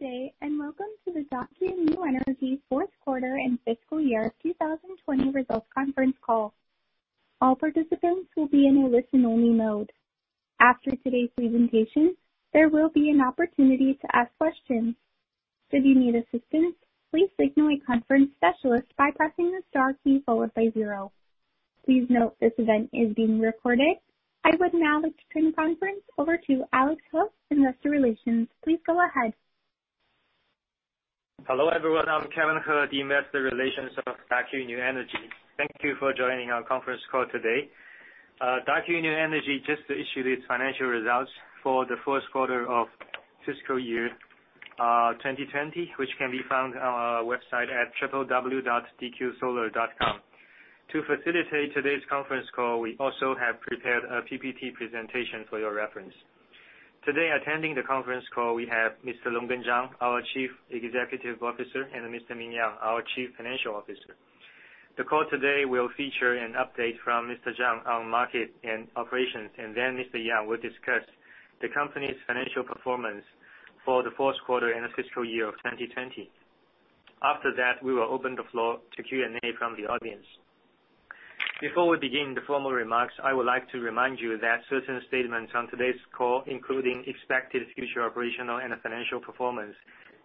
Good day, and welcome to the Daqo New Energy fourth quarter and fiscal year 2020 results conference call. All participants will be in a listen-only mode. After today's presentation, there will be an opportunity to ask questions. If you need assistance, please signal a conference specialist by pressing the star key followed by zero. Please note this event is being recorded. I would now like to turn the conference over to Kevin He, investor relations. Please go ahead. Hello, everyone. I'm Kevin He, the investor relations of Daqo New Energy. Thank you for joining our conference call today. Daqo New Energy just issued its financial results for the first quarter of fiscal year 2020, which can be found on our website at www.dqsolar.com. To facilitate today's conference call, we also have prepared a PPT presentation for your reference. Today, attending the conference call, we have Mr. Longgen Zhang, our Chief Executive Officer, and Mr. Ming Yang, our Chief Financial Officer. The call today will feature an update from Mr. Zhang on market and operations, and then Mr. Yang will discuss the company's financial performance for the fourth quarter and the fiscal year of 2020. After that, we will open the floor to Q&A from the audience. Before we begin the formal remarks, I would like to remind you that certain statements on today's call, including expected future operational and financial performance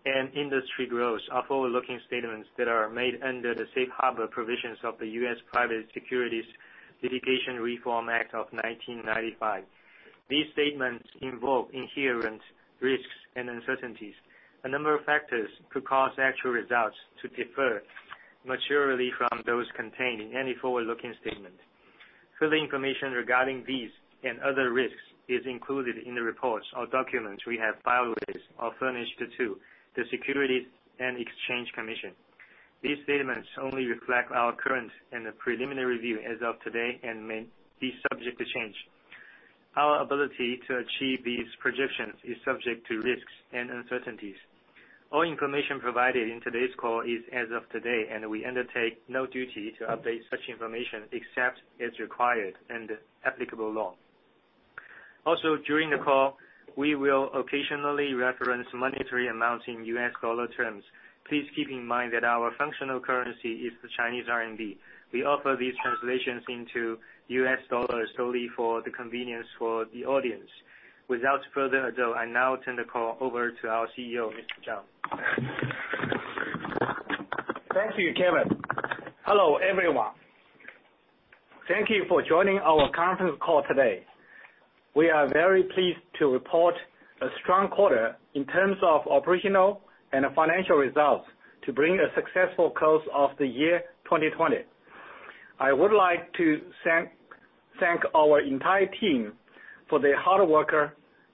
and industry growth, are forward-looking statements that are made under the safe harbor provisions of the U.S. Private Securities Litigation Reform Act of 1995. These statements involve inherent risks and uncertainties. A number of factors could cause actual results to differ materially from those contained in any forward-looking statement. Full information regarding these and other risks is included in the reports or documents we have filed with or furnished to the Securities and Exchange Commission. These statements only reflect our current and preliminary view as of today and may be subject to change. Our ability to achieve these projections is subject to risks and uncertainties. All information provided in today's call is as of today, and we undertake no duty to update such information except as required under applicable law. Also, during the call, we will occasionally reference monetary amounts in US dollar terms. Please keep in mind that our functional currency is the Chinese RMB. We offer these translations into US dollars solely for the convenience for the audience. Without further ado, I now turn the call over to our CEO, Mr. Zhang. Thank you, Kevin. Hello, everyone. Thank you for joining our conference call today. We are very pleased to report a strong quarter in terms of operational and financial results to bring a successful close of the year 2020. I would like to thank our entire team for their hard work,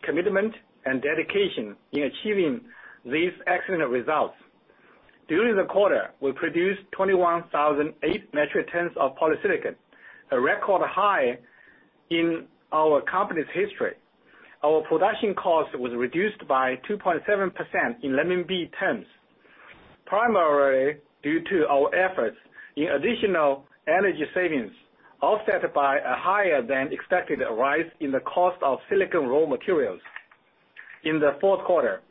commitment, and dedication in achieving these excellent results. During the quarter, we produced 21,008 metric tons of polysilicon, a record high in our company's history. Our production cost was reduced by 2.7% in renminbi terms, primarily due to our efforts in additional energy savings, offset by a higher-than-expected rise in the cost of silicon raw materials. In the fourth quarter,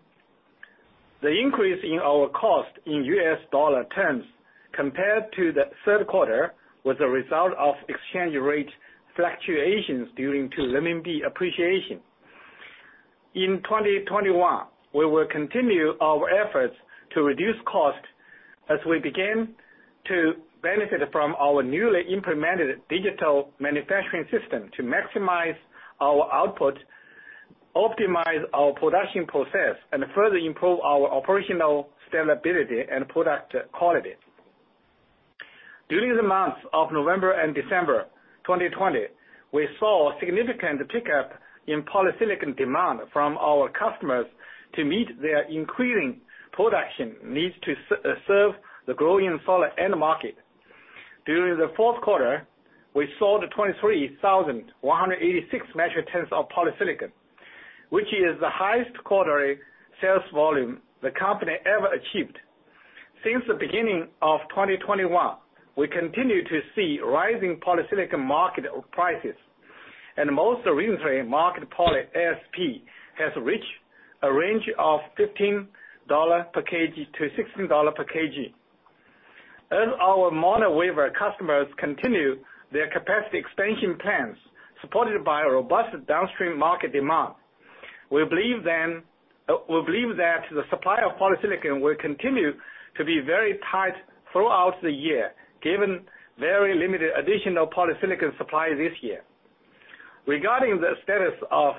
the increase in our cost in US dollar terms compared to the third quarter was a result of exchange rate fluctuations due to renminbi appreciation. In 2021, we will continue our efforts to reduce cost as we begin to benefit from our newly implemented digital manufacturing system to maximize our output, optimize our production process, and further improve our operational stability and product quality. During the months of November and December 2020, we saw a significant pickup in polysilicon demand from our customers to meet their increasing production needs to serve the growing solar end market. During the fourth quarter, we sold 23,186 metric tons of polysilicon, which is the highest quarterly sales volume the company ever achieved. Since the beginning of 2021, we continue to see rising polysilicon market prices, and most recently, market poly ASP has reached a range of $15 per kg to $16 per kg. As our mono wafer customers continue their capacity expansion plans, supported by a robust downstream market demand, we believe that the supply of polysilicon will continue to be very tight throughout the year, given very limited additional polysilicon supply this year. Regarding the status of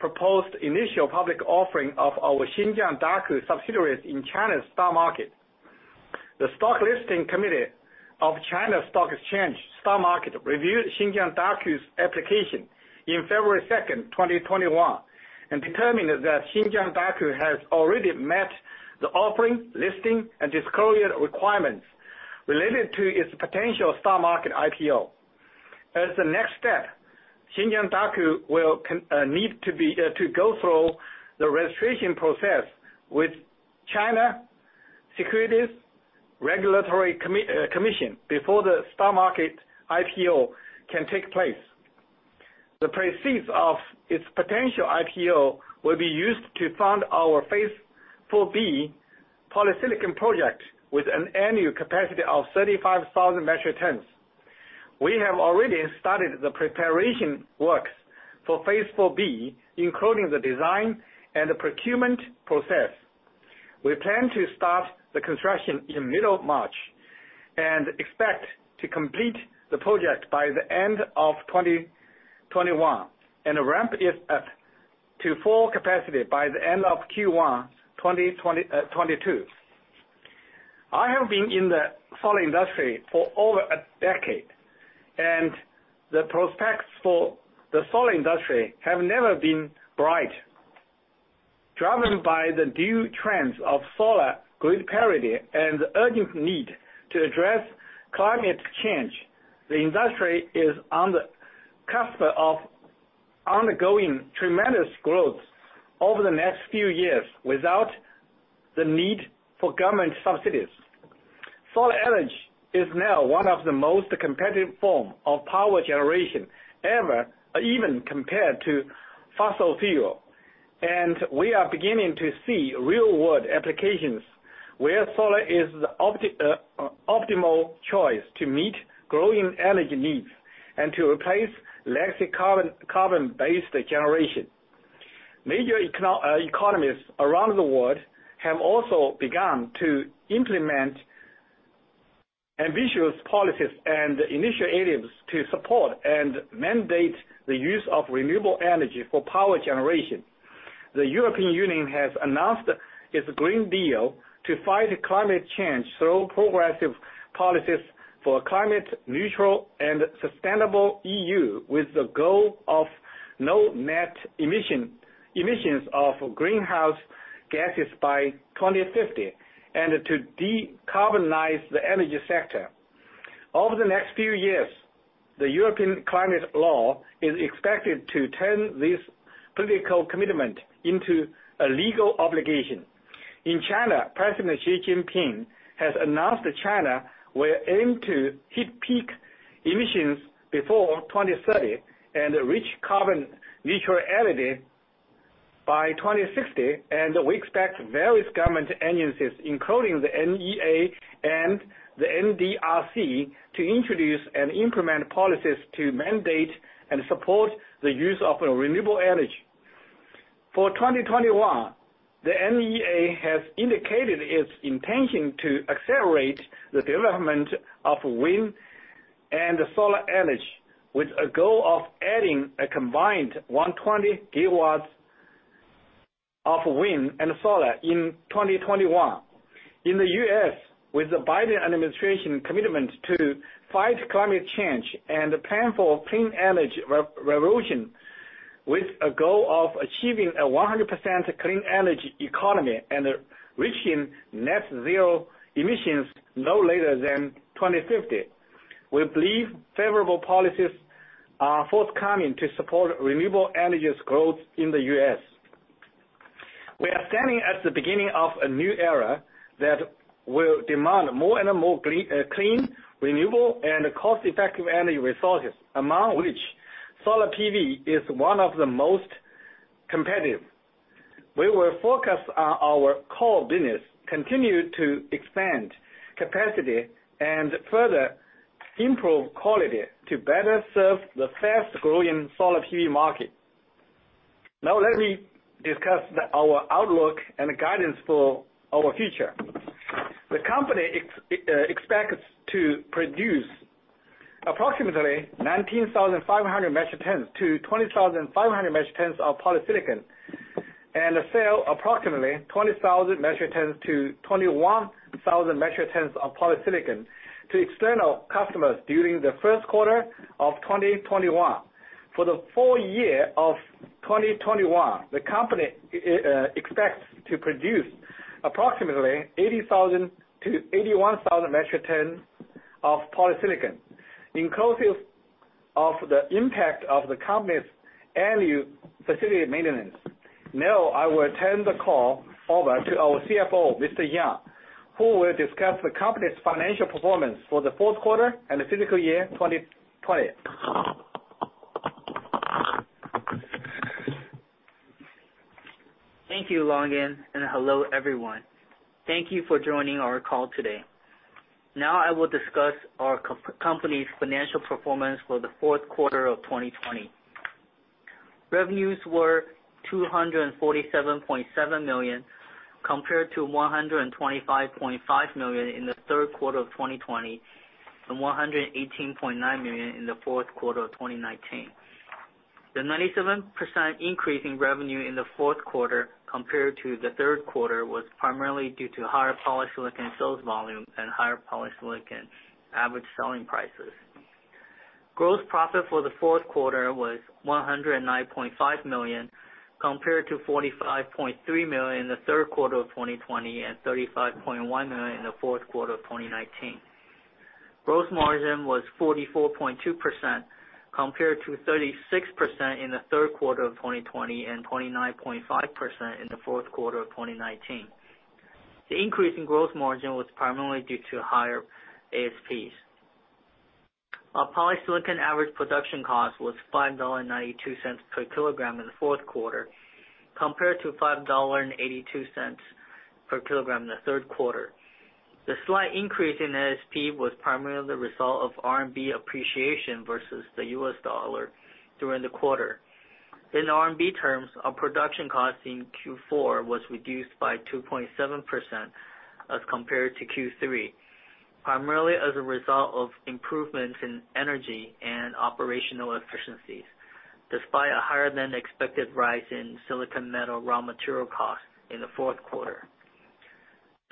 proposed initial public offering of our Xinjiang Daqo subsidiaries in China's stock market, the stock listing committee of Shanghai Stock Exchange reviewed Xinjiang Daqo's application in February 2nd, 2021, and determined that Xinjiang Daqo has already met the offering, listing, and disclosure requirements related to its potential stock market IPO. As the next step, Xinjiang Daqo will need to be to go through the registration process with China Securities Regulatory Commission before the stock market IPO can take place. The proceeds of its potential IPO will be used to fund our phase IV-B polysilicon project with an annual capacity of 35,000 metric tons. We have already started the preparation works for phase IV-B, including the design and the procurement process. We plan to start the construction in middle of March, and expect to complete the project by the end of 2021, and ramp it up to full capacity by the end of Q1 2022. I have been in the solar industry for over a decade, and the prospects for the solar industry have never been bright. Driven by the new trends of solar grid parity and the urgent need to address climate change, the industry is on the cusp of ongoing tremendous growth over the next few years without the need for government subsidies. Solar energy is now one of the most competitive form of power generation ever, even compared to fossil fuel. We are beginning to see real-world applications where solar is the optimal choice to meet growing energy needs and to replace legacy carbon-based generation. Major economies around the world have also begun to implement ambitious policies and initiatives to support and mandate the use of renewable energy for power generation. The European Union has announced its European Green Deal to fight climate change through progressive policies for climate neutral and sustainable EU, with the goal of no net emissions of greenhouse gases by 2050, and to decarbonize the energy sector. Over the next few years, the European Climate Law is expected to turn this political commitment into a legal obligation. In China, President Xi Jinping has announced that China will aim to hit peak emissions before 2030 and reach carbon neutral energy by 2060. We expect various government agencies, including the NEA and the NDRC, to introduce and implement policies to mandate and support the use of renewable energy. For 2021, the NEA has indicated its intention to accelerate the development of wind and solar energy, with a goal of adding a combined 120 GW of wind and solar in 2021. In the U.S., with the Biden administration commitment to fight climate change and plan for clean energy re-revolution with a goal of achieving a 100% clean energy economy and reaching net zero emissions no later than 2050. We believe favorable policies are forthcoming to support renewable energies growth in the U.S. We are standing at the beginning of a new era that will demand more and more clean, renewable and cost-effective energy resources, among which solar PV is one of the most competitive. We will focus on our core business, continue to expand capacity, and further improve quality to better serve the fast-growing solar PV market. Now let me discuss our outlook and guidance for our future. The company expects to produce approximately 19,500-20,500 metric tons of polysilicon, and sell approximately 20,000-21,000 metric tons of polysilicon to external customers during the first quarter of 2021. For the full year of 2021, the company expects to produce approximately 80,000-81,000 metric tons of polysilicon, inclusive of the impact of the company's annual facility maintenance. Now, I will turn the call over to our CFO, Mr. Yang, who will discuss the company's financial performance for the fourth quarter and the fiscal year 2020. Thank you, Longgen. Hello, everyone. Thank you for joining our call today. Now I will discuss our company's financial performance for the fourth quarter of 2020. Revenues were 247.7 million, compared to 125.5 million in the third quarter of 2020, and 118.9 million in the fourth quarter of 2019. The 97% increase in revenue in the fourth quarter compared to the third quarter was primarily due to higher polysilicon sales volume and higher polysilicon average selling prices. Gross profit for the fourth quarter was 109.5 million, compared to 45.3 million in the third quarter of 2020 and 35.1 million in the fourth quarter of 2019. Gross margin was 44.2%, compared to 36% in the third quarter of 2020 and 29.5% in the fourth quarter of 2019. The increase in gross margin was primarily due to higher ASPs. Our polysilicon average production cost was $5.92 per kilogram in the fourth quarter, compared to $5.82 per kilogram in the third quarter. The slight increase in ASP was primarily the result of RMB appreciation versus the U.S. dollar during the quarter. In RMB terms, our production cost in Q4 was reduced by 2.7% as compared to Q3, primarily as a result of improvements in energy and operational efficiencies, despite a higher-than-expected rise in silicon metal raw material costs in the fourth quarter.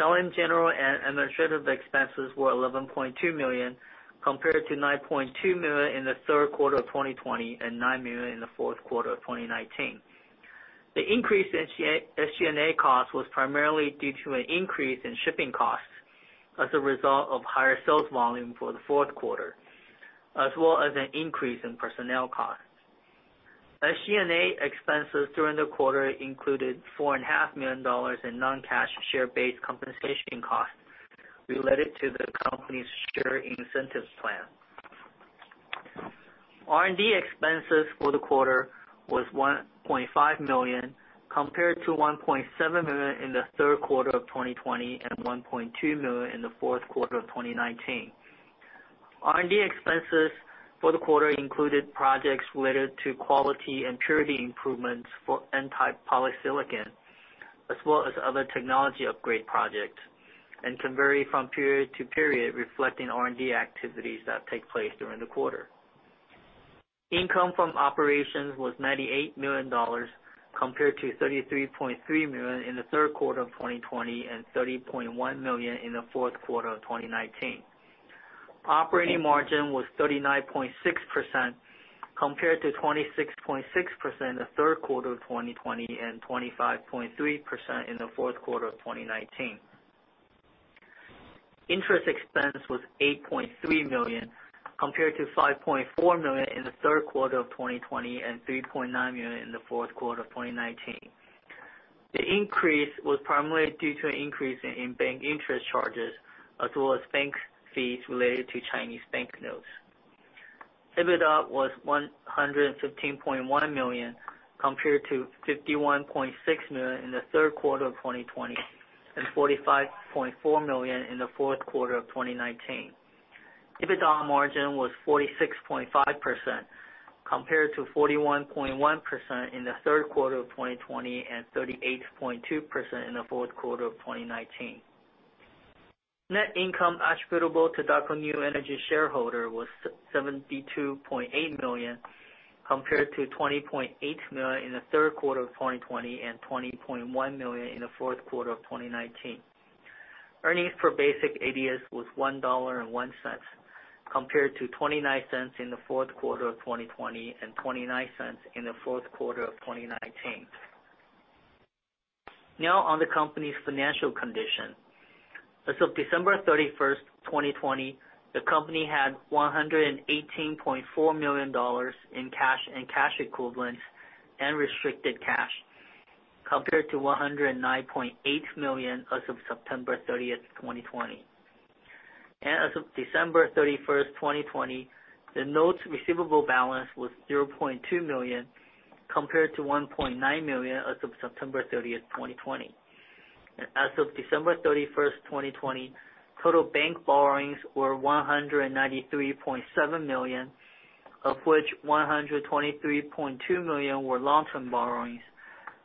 Selling, general, and administrative expenses were 11.2 million, compared to 9.2 million in the third quarter of 2020 and 9 million in the fourth quarter of 2019. The increase in SG&A costs was primarily due to an increase in shipping costs as a result of higher sales volume for the fourth quarter, as well as an increase in personnel costs. SG&A expenses during the quarter included $4.5 million in non-cash share-based compensation costs related to the company's share incentives plan. R&D expenses for the quarter was 1.5 million, compared to 1.7 million in the third quarter of 2020 and 1.2 million in the fourth quarter of 2019. R&D expenses for the quarter included projects related to quality and purity improvements for N-type polysilicon, as well as other technology upgrade projects, and can vary from period to period, reflecting R&D activities that take place during the quarter. Income from operations was $98 million, compared to $33.3 million in the third quarter of 2020 and $30.1 million in the fourth quarter of 2019. Operating margin was 39.6%, compared to 26.6% in the third quarter of 2020 and 25.3% in the fourth quarter of 2019. Interest expense was $8.3 million, compared to $5.4 million in the third quarter of 2020 and $3.9 million in the fourth quarter of 2019. The increase was primarily due to an increase in bank interest charges, as well as bank fees related to Chinese bank notes. EBITDA was 115.1 million, compared to 51.6 million in the third quarter of 2020 and 45.4 million in the fourth quarter of 2019. EBITDA margin was 46.5%, compared to 41.1% in the third quarter of 2020 and 38.2% in the fourth quarter of 2019. Net income attributable to Daqo New Energy shareholder was 72.8 million, compared to 20.8 million in the third quarter of 2020 and 20.1 million in the fourth quarter of 2019. Earnings per basic ADS was $1.01, compared to $0.29 in the fourth quarter of 2020 and $0.29 in the fourth quarter of 2019. On the company's financial condition. As of December 31st, 2020, the company had $118.4 million in cash and cash equivalents and restricted cash, compared to $109.8 million as of September 30th, 2020. As of December 31st, 2020, the notes receivable balance was $0.2 million, compared to $1.9 million as of September 30th, 2020. As of December 31st, 2020, total bank borrowings were 193.7 million, of which 123.2 million were long-term borrowings,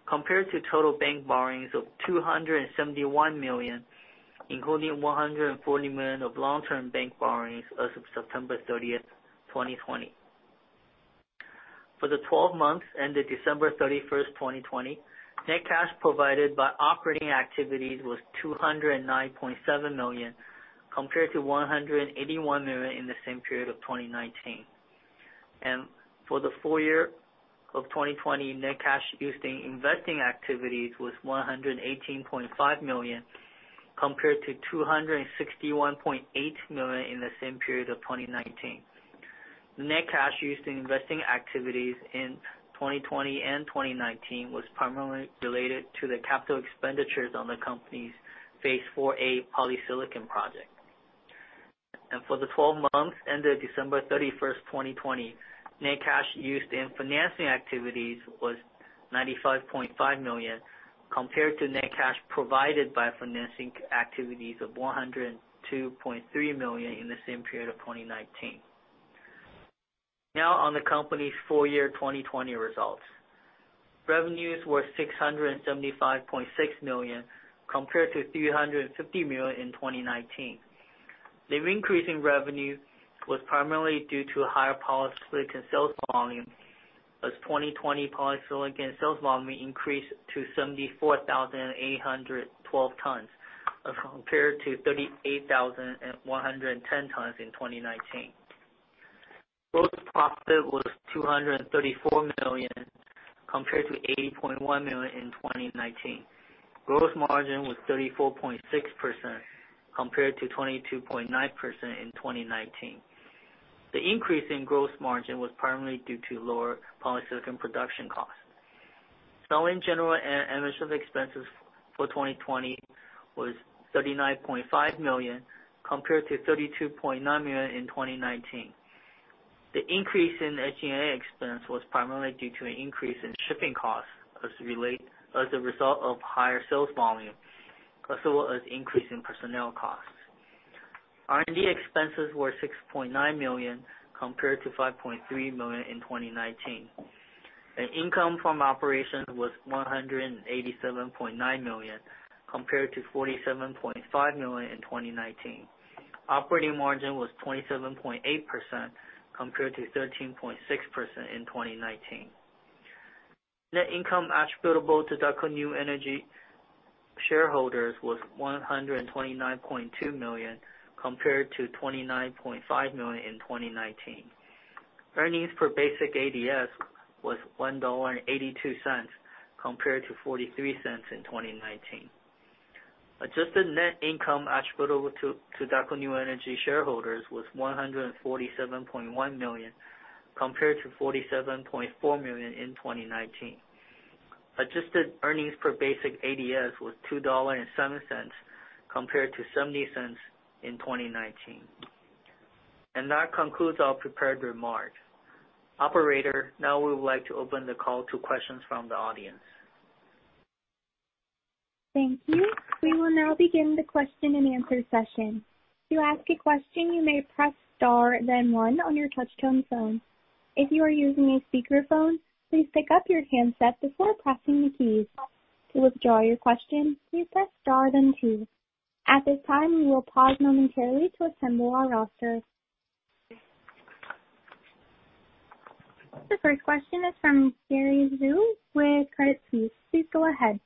compared to total bank borrowings of 271 million, including 140 million of long-term bank borrowings as of September 30th, 2020. For the 12 months ended December 31st, 2020, net cash provided by operating activities was 209.7 million, compared to 181 million in the same period of 2019. For the full year of 2020, net cash used in investing activities was 118.5 million, compared to 261.8 million in the same period of 2019. Net cash used in investing activities in 2020 and 2019 was primarily related to the capital expenditures on the company's phase IV-A polysilicon project. For the 12 months ended December 31st, 2020, net cash used in financing activities was 95.5 million, compared to net cash provided by financing activities of 102.3 million in the same period of 2019. On the company's full year 2020 results. Revenues were 675.6 million, compared to 350 million in 2019. The increase in revenue was primarily due to higher polysilicon sales volume as 2020 polysilicon sales volume increased to 74,812 tons, as compared to 38,110 tons in 2019. Gross profit was 234 million, compared to 80.1 million in 2019. Gross margin was 34.6%, compared to 22.9% in 2019. The increase in gross margin was primarily due to lower polysilicon production costs. Selling, general, and administrative expenses for 2020 was 39.5 million compared to 32.9 million in 2019. The increase in SG&A expense was primarily due to an increase in shipping costs as a result of higher sales volume, as well as increase in personnel costs. R&D expenses were 6.9 million compared to 5.3 million in 2019. The income from operations was 187.9 million compared to 47.5 million in 2019. Operating margin was 27.8% compared to 13.6% in 2019. Net income attributable to Daqo New Energy shareholders was $129.2 million compared to $29.5 million in 2019. Earnings per basic ADS was $1.82 compared to $0.43 in 2019. Adjusted net income attributable to Daqo New Energy shareholders was $147.1 million compared to $47.4 million in 2019. Adjusted earnings per basic ADS was $2.07 compared to $0.70 in 2019. That concludes our prepared remarks. Operator, now we would like to open the call to questions from the audience. Thank you. We will now begin the question-and-answer session. To ask a question, you may press star then one on your touchtone phone. If you are using a speakerphone, please pick up your handset before pressing the keys. To withdraw your question, please press star then two. At this time, we'll pause momentarily to assemble the roster. The first question is from Gary Zhou with Credit Suisse. Please go ahead.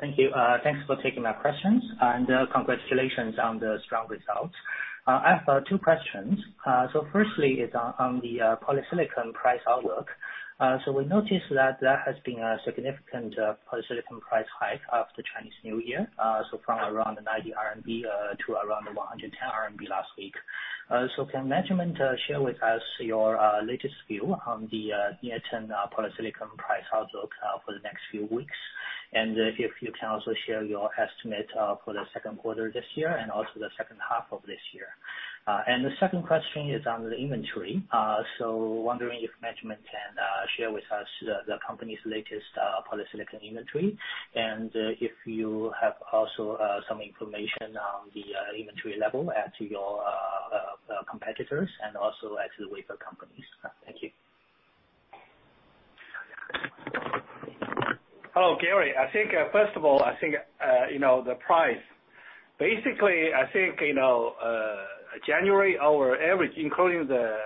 Thank you. Thanks for taking my questions, and congratulations on the strong results. I have two questions. Firstly is on the polysilicon price outlook. We noticed that there has been a significant polysilicon price hike after Chinese New Year, from around 90 RMB to around 110 RMB last week. Can management share with us your latest view on the near-term polysilicon price outlook for the next few weeks? If you can also share your estimate for the second quarter this year and also the second half of this year. The second question is on the inventory. Wondering if management can share with us the company's latest polysilicon inventory, and if you have also some information on the inventory level as to your competitors and also as to wafer companies. Thank you. Hello, Gary. I think, first of all, I think, you know, the price. I think, you know, January, our average, including the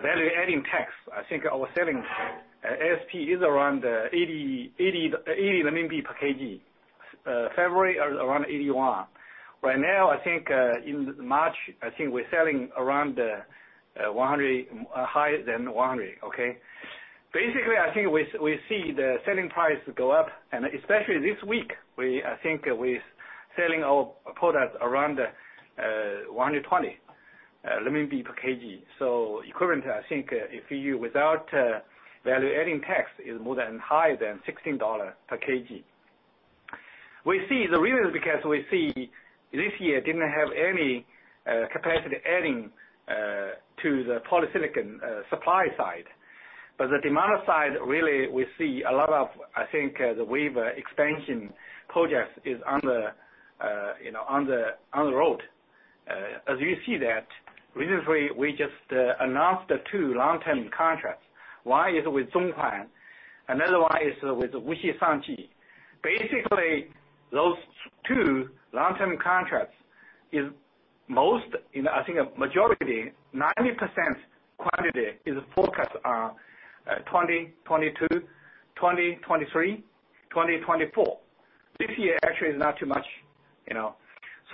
Value-Added Tax, I think our selling ASP is around 80 per kg. February around 81. Right now, I think, in March, we're selling around 100. Higher than 100, okay? I think we see the selling price go up, and especially this week, I think with selling our product around 120 renminbi per kg. Equivalent, I think, if you without Value-Added Tax is more than higher than $16 per kg. We see the reason because we see this year didn't have any capacity adding to the polysilicon supply side. The demand side, really we see a lot of, I think, the wafer expansion projects is on the, you know, on the, on the road. As you see that, recently we just announced the two long-term contracts. One is with Zhonghuan, another one is with Wuxi Shangji. Basically, those two long-term contracts is most, you know, I think a majority, 90% quantity is focused on 2022, 2023, 2024. This year actually is not too much, you know.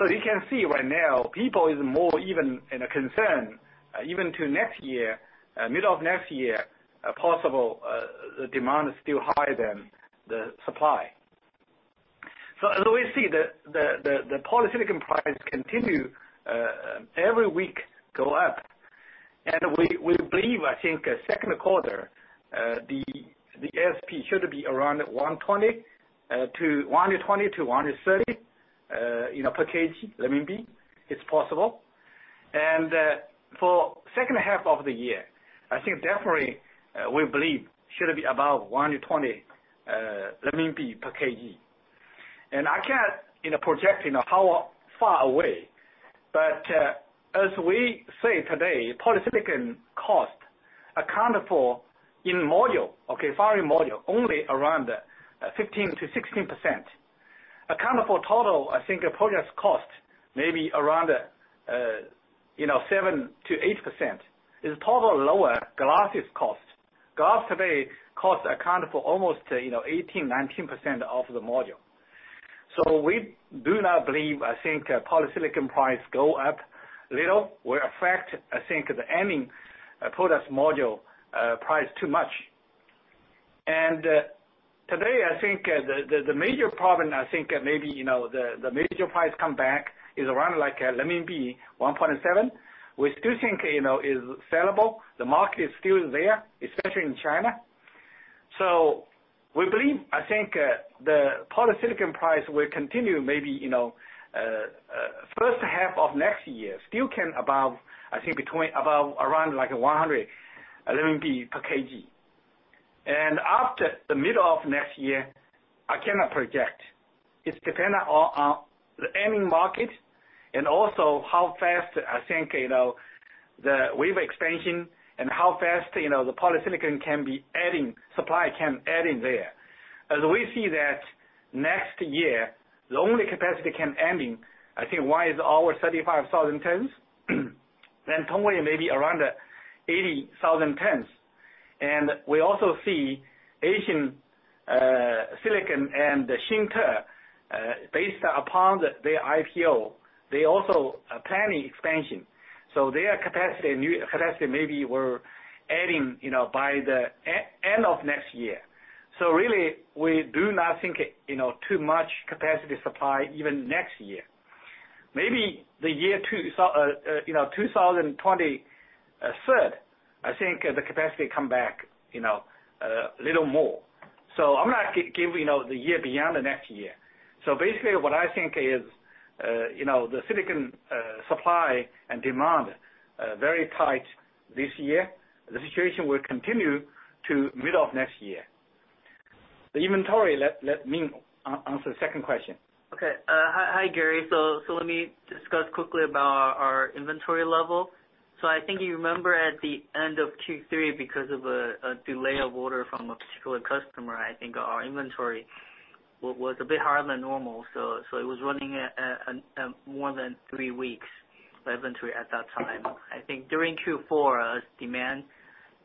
You can see right now, people is more even in a concern, even to next year, middle of next year, a possible demand is still higher than the supply. As we see the polysilicon price continue every week go up, we believe, I think second quarter, the ASP should be around 120-130, you know, per kg. It's possible. For second half of the year, I think definitely, we believe should be above 120 renminbi per kg. I can't, you know, project, you know, how far away, as we say today, polysilicon cost account for in module, okay, firing module, only around 15%-16%. Account for total, I think a project cost maybe around, you know, 7%-8%. It's total lower glass cost. Glass today cost account for almost, you know, 18%, 19% of the module. We do not believe, I think, polysilicon price go up little will affect, I think, the ending product module price too much. Today, I think, the major problem, I think maybe, you know, the major price come back is around 1.7. We still think, you know, it's sellable. The market is still there, especially in China. The polysilicon price will continue, maybe, you know, first half of next year still can above, I think between above around like 100 RMB per kg. After the middle of next year, I cannot project. It's dependent on the ending market and also how fast I think, you know, the wafer expansion and how fast, you know, the polysilicon can be adding, supply can add in there. We see that next year, the only capacity can ending, one is our 35,000 tons, then Tongwei may be around 80,000 tons. We also see Asia Silicon and Xinte, based upon their IPO, they also are planning expansion. Their capacity, new capacity maybe will adding, you know, by the end of next year. Really, we do not think, you know, too much capacity supply even next year. Maybe the year, so, you know, 2023, I think the capacity come back, you know, little more. I'm going to give, you know, the year beyond the next year. Basically, what I think is, you know, the silicon supply and demand very tight this year. The situation will continue to middle of next year. The inventory, let Ming answer the second question. Okay. Hi, Gary. Let me discuss quickly about our inventory level. I think you remember at the end of Q3, because of a delay of order from a particular customer, I think our inventory was a bit higher than normal, so it was running at more than three weeks inventory at that time. I think during Q4, as demand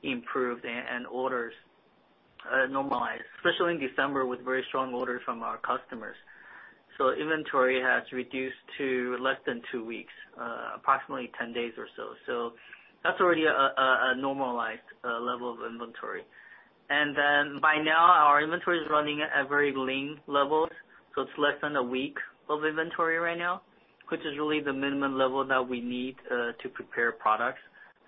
improved and orders normalized, especially in December with very strong orders from our customers. Inventory has reduced to less than two weeks, approximately 10 days or so. That's already a normalized level of inventory. By now, our inventory is running at very lean levels. It is less than a week of inventory right now, which is really the minimum level that we need to prepare products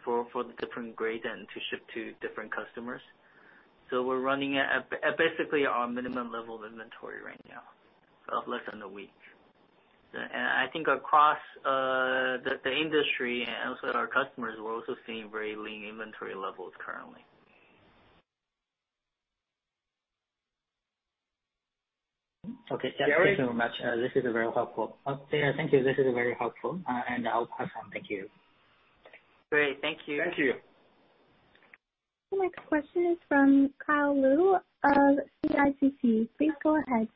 for the different grades and to ship to different customers. We are running at basically our minimum level of inventory right now, of less than a week. I think across the industry and also our customers, we are also seeing very lean inventory levels currently. Okay. Gary? Yeah, thank you very much. This is very helpful. Yeah, thank you. This is very helpful. I'll pass on. Thank you. Great. Thank you. Thank you. The next question is from Karl Liu of CICC. Please go ahead.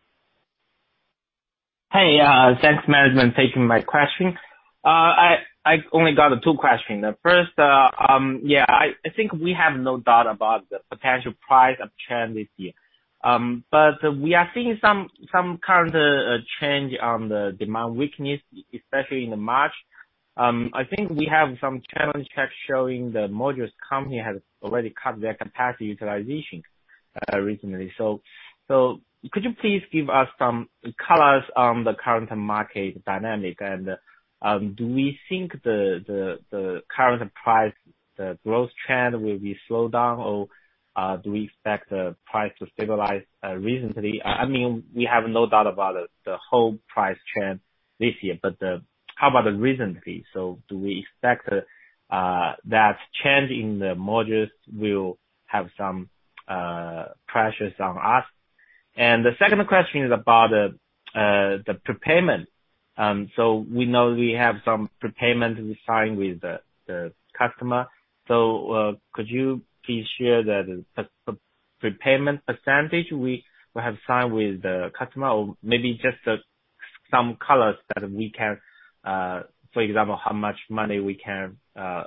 Hey, thanks management for taking my question. I only got two question. The first, I think we have no doubt about the potential price of trend this year. We are seeing some current change on the demand weakness, especially in March. I think we have some channel checks showing the modules company has already cut their capacity utilization recently. Could you please give us some colors on the current market dynamic? Do we think the current price, the growth trend will be slowed down or do we expect the price to stabilize recently? I mean, we have no doubt about the whole price trend this year, how about recently? Do we expect that change in the modules will have some pressures on us? The second question is about the prepayment. We know we have some prepayment we signed with the customer. Could you please share the prepayment percentage we have signed with the customer or maybe just some colors that we can, for example, how much money we can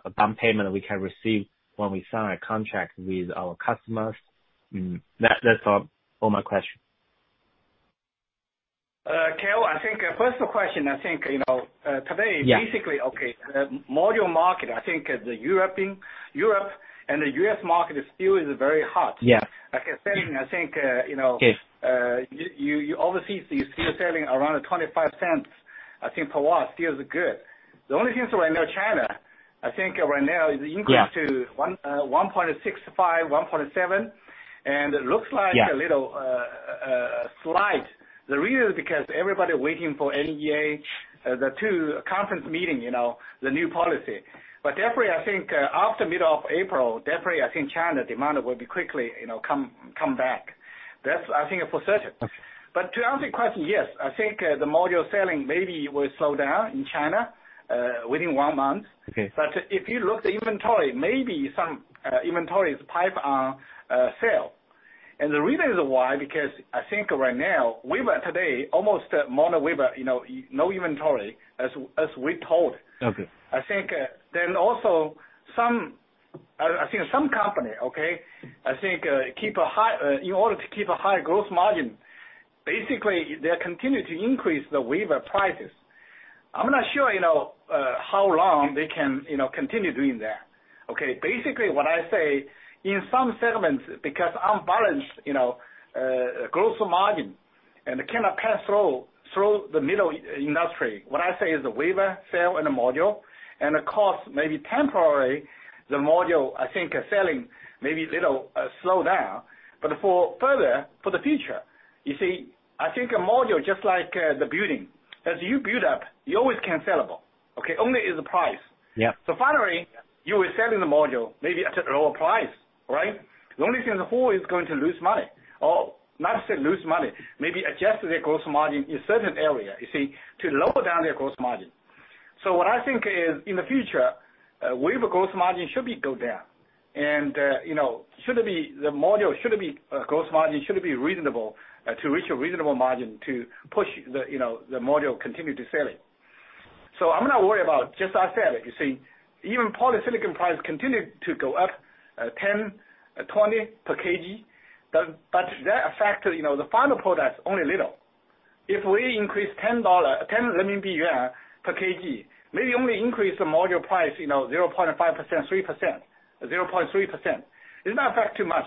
advance payment we can receive when we sign a contract with our customers? That's all my question. Karl, I think first question, you know, today. Yeah. Basically, okay, module market, I think the Europe and the U.S. market is still very hot. Yeah. Like I said, I think, you know. Yes. You overseas you're still selling around $0.25, I think per watt, still is good. The only thing is right now China, I think right now. Yeah. To one, uh, 1.65, 1.7, and it looks like. Yeah. A little slight. The reason is because everybody waiting for NEA, the two conference meeting, you know, the new policy. Definitely, I think, after middle of April, definitely I think China demand will be quickly, you know, come back. That's I think for certain. Okay. To answer your question, yes. I think the module selling maybe will slow down in China within one month. Okay. If you look the inventory, maybe some inventory is pipe sale. The reason is why, because I think right now, wafer today, almost mono wafer, you know, no inventory as we told. Okay. I think some company, okay, I think, in order to keep a high growth margin, basically, they continue to increase the wafer prices. I'm not sure, you know, how long they can, you know, continue doing that. Okay. Basically, what I say, in some segments, because unbalanced, you know, gross margin and cannot pass through the middle industry. What I say is the wafer, cell, and the module, and the cost may be temporary. The module, I think, selling maybe little slow down. For further, for the future, you see, I think a module just like the building. As you build up, you always can sellable. Okay. Only is the price. Yeah. Finally, you are selling the module maybe at a lower price, right? The only thing the whole is going to lose money. Or not say lose money, maybe adjust their gross margin in certain area, you see, to lower down their gross margin. What I think is, in the future, wafer gross margin should be go down. You know, the module should be, gross margin should be reasonable, to reach a reasonable margin to push the, you know, the module continue to selling. I'm not worried about just as I said, you see, even polysilicon price continued to go up, 10, 20 per kg. That affect, you know, the final product only a little. If we increase 10 RMB yuan per kg, maybe only increase the module price, you know, 0.5%, 3%, 0.3%. It not affect too much.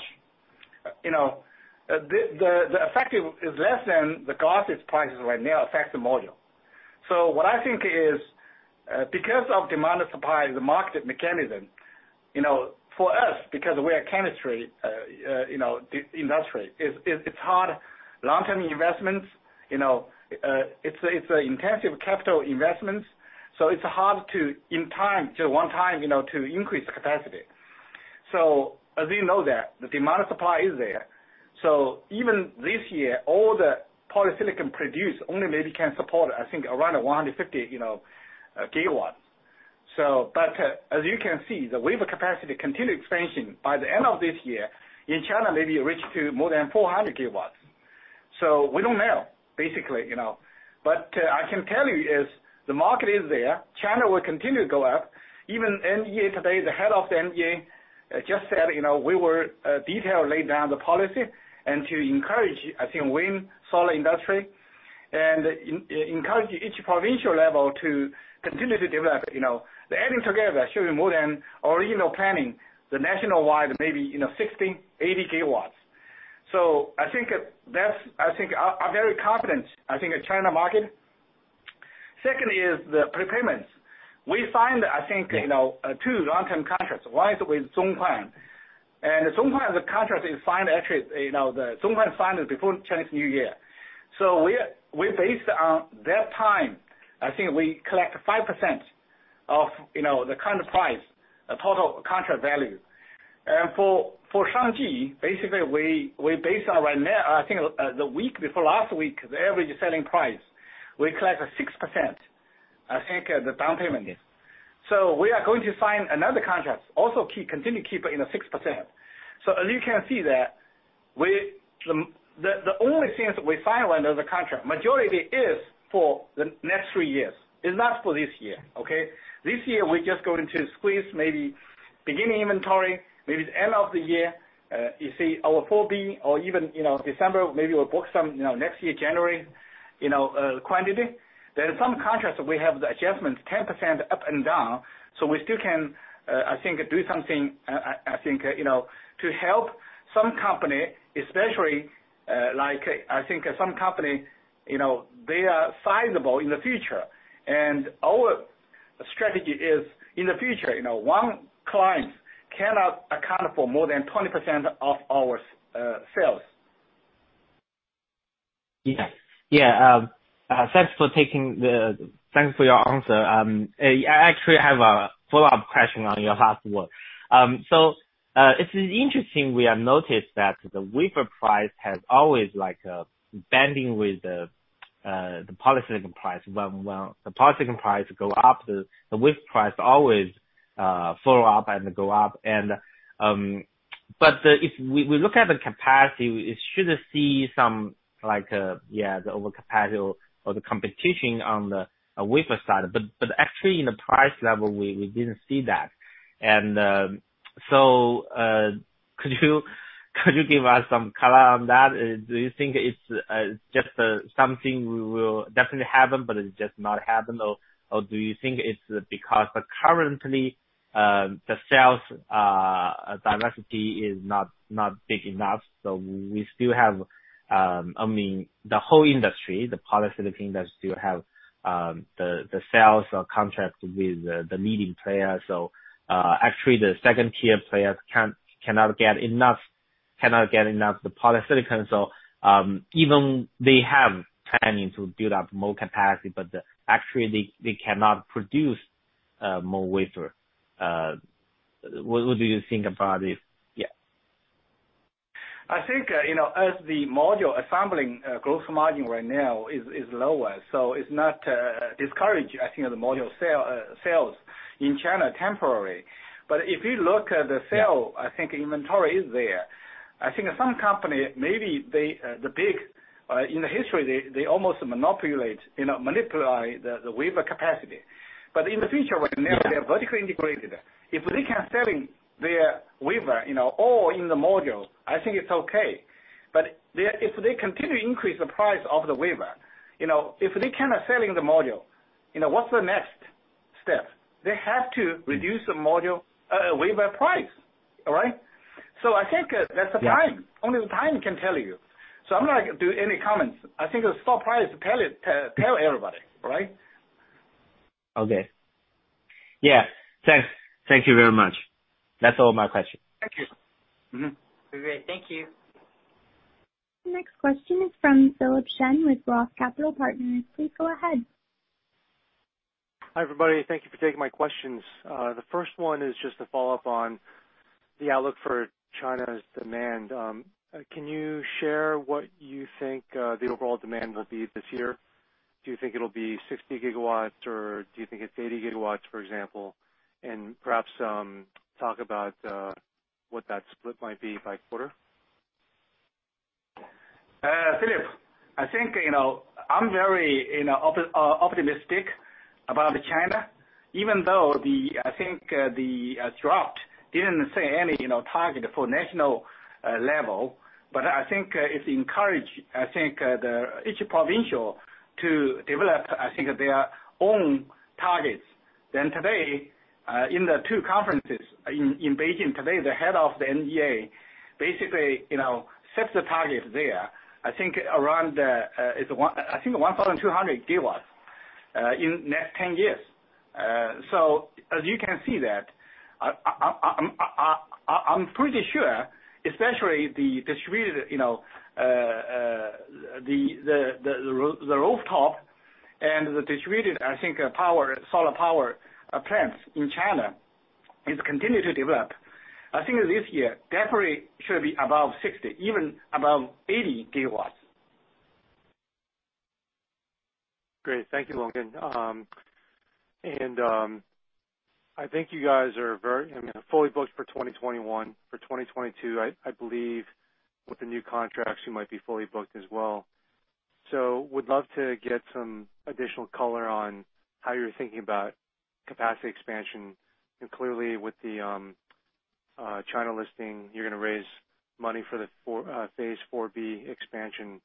You know, the effect is less than the glass's prices right now affect the module. What I think is, because of demand and supply, the market mechanism, you know, for us, because we are chemistry industry, it's hard long-term investments, you know. It's a intensive capital investments, it's hard to, in time, to one time, you know, to increase capacity. As you know that the demand and supply is there. Even this year, all the polysilicon produced only maybe can support, I think around 150, you know, gigawatts. As you can see, the wafer capacity continue expansion. By the end of this year, in China maybe it reach to more than 400 GW. We don't know, basically, you know. I can tell you is the market is there. China will continue to go up. Even NEA today, the head of the NEA, just said, you know, we were detail laid down the policy and to encourage, I think, wind, solar industry, and encourage each provincial level to continue to develop, you know. The adding together should be more than original planning. The national wide, maybe, you know, 60 GW, 80 GW. I'm very confident, I think the China market. Second is the prepayments. We find, I think. Yeah. you know, two long-term contracts. One is with Zhonghuan. Zhonghuan, the contract is signed actually, you know, Zhonghuan signed it before Chinese New Year. We based on that time, I think we collect 5% of, you know, the current price, the total contract value. For Shangji, basically we based on right now, I think, the week before last week, the average selling price, we collect 6%, I think, the down payment is. We are going to sign another contract, also continue keep in the 6%. As you can see that the only things we sign under the contract, majority is for the next three years. It's not for this year, okay? This year we're just going to squeeze maybe beginning inventory, maybe the end of the year, you see our phase IV-B or even, you know, December, maybe we'll book some, you know, next year, January, you know, quantity. There is some contracts we have the adjustments 10% up and down, so we still can, I think do something, I think, you know, to help some company especially, like, I think some company, you know, they are sizable in the future. Our strategy is in the future, you know, one client cannot account for more than 20% of our sales. Yeah. Thanks for your answer. Actually, I have a follow-up question on your last word. It's interesting we have noticed that the wafer price has always like banding with the polysilicon price. When the polysilicon price go up, the wafer price always follow up and go up. If we look at the capacity, we should see some like, yeah, the overcapacity or the competition on the wafer side. But actually in the price level we didn't see that. Could you give us some color on that? Do you think it's just something we will definitely happen but it's just not happened? Do you think it's because currently, the sales diversity is not big enough, so we still have, I mean, the whole industry, the polysilicon industry still have the sales or contracts with the leading players. Actually the second-tier players cannot get enough the polysilicon, so even they have planning to build up more capacity, but actually they cannot produce more wafer. What do you think about this? I think, you know, as the module assembling gross margin right now is lower, so it's not discourage I think the module sales in China temporary. Yeah. I think inventory is there. I think some company, maybe they, in the history, they almost monopolize, you know, manipulate the wafer capacity. In the future. Yeah. When they are vertically integrated, if they can selling their wafer, you know, or in the module, I think it's okay. If they continue to increase the price of the wafer, you know, if they cannot selling the module, you know, what's the next step? They have to reduce the module, wafer price, all right. Yeah. That's the time. Only the time can tell you. I'm not gonna do any comments. I think the stock price tell everybody, right? Okay. Yeah. Thanks. Thank you very much. That is all my question. Thank you. Mm-hmm. Okay. Thank you. The next question is from Philip Shen with Roth Capital Partners. Please go ahead. Hi, everybody. Thank you for taking my questions. The first one is just a follow-up on the outlook for China's demand. Can you share what you think the overall demand will be this year? Do you think it'll be 60 GW, or do you think it's 80 GW, for example? Perhaps talk about what that split might be by quarter. Philip, I think, you know, I'm very, you know, optimistic about China, even though the, I think, the drought didn't set any, you know, target for national level. I think, it encourage, I think, the each provincial to develop, I think, their own targets. Today, in the two conferences in Beijing today, the head of the NEA basically, you know, set the target there, I think around, it's one I think 1,200 GW in next 10 years. As you can see that, I'm pretty sure, especially the distributed, you know, the rooftop and the distributed, I think, power, solar power plants in China is continue to develop. I think this year definitely should be above 60 GW, even above 80 GW. Great. Thank you, Longgen. I mean, I think you guys are very, fully booked for 2021. For 2022 I believe with the new contracts you might be fully booked as well. Would love to get some additional color on how you're thinking about capacity expansion. Clearly with the China listing, you're gonna raise money for the phase IV-B expansion.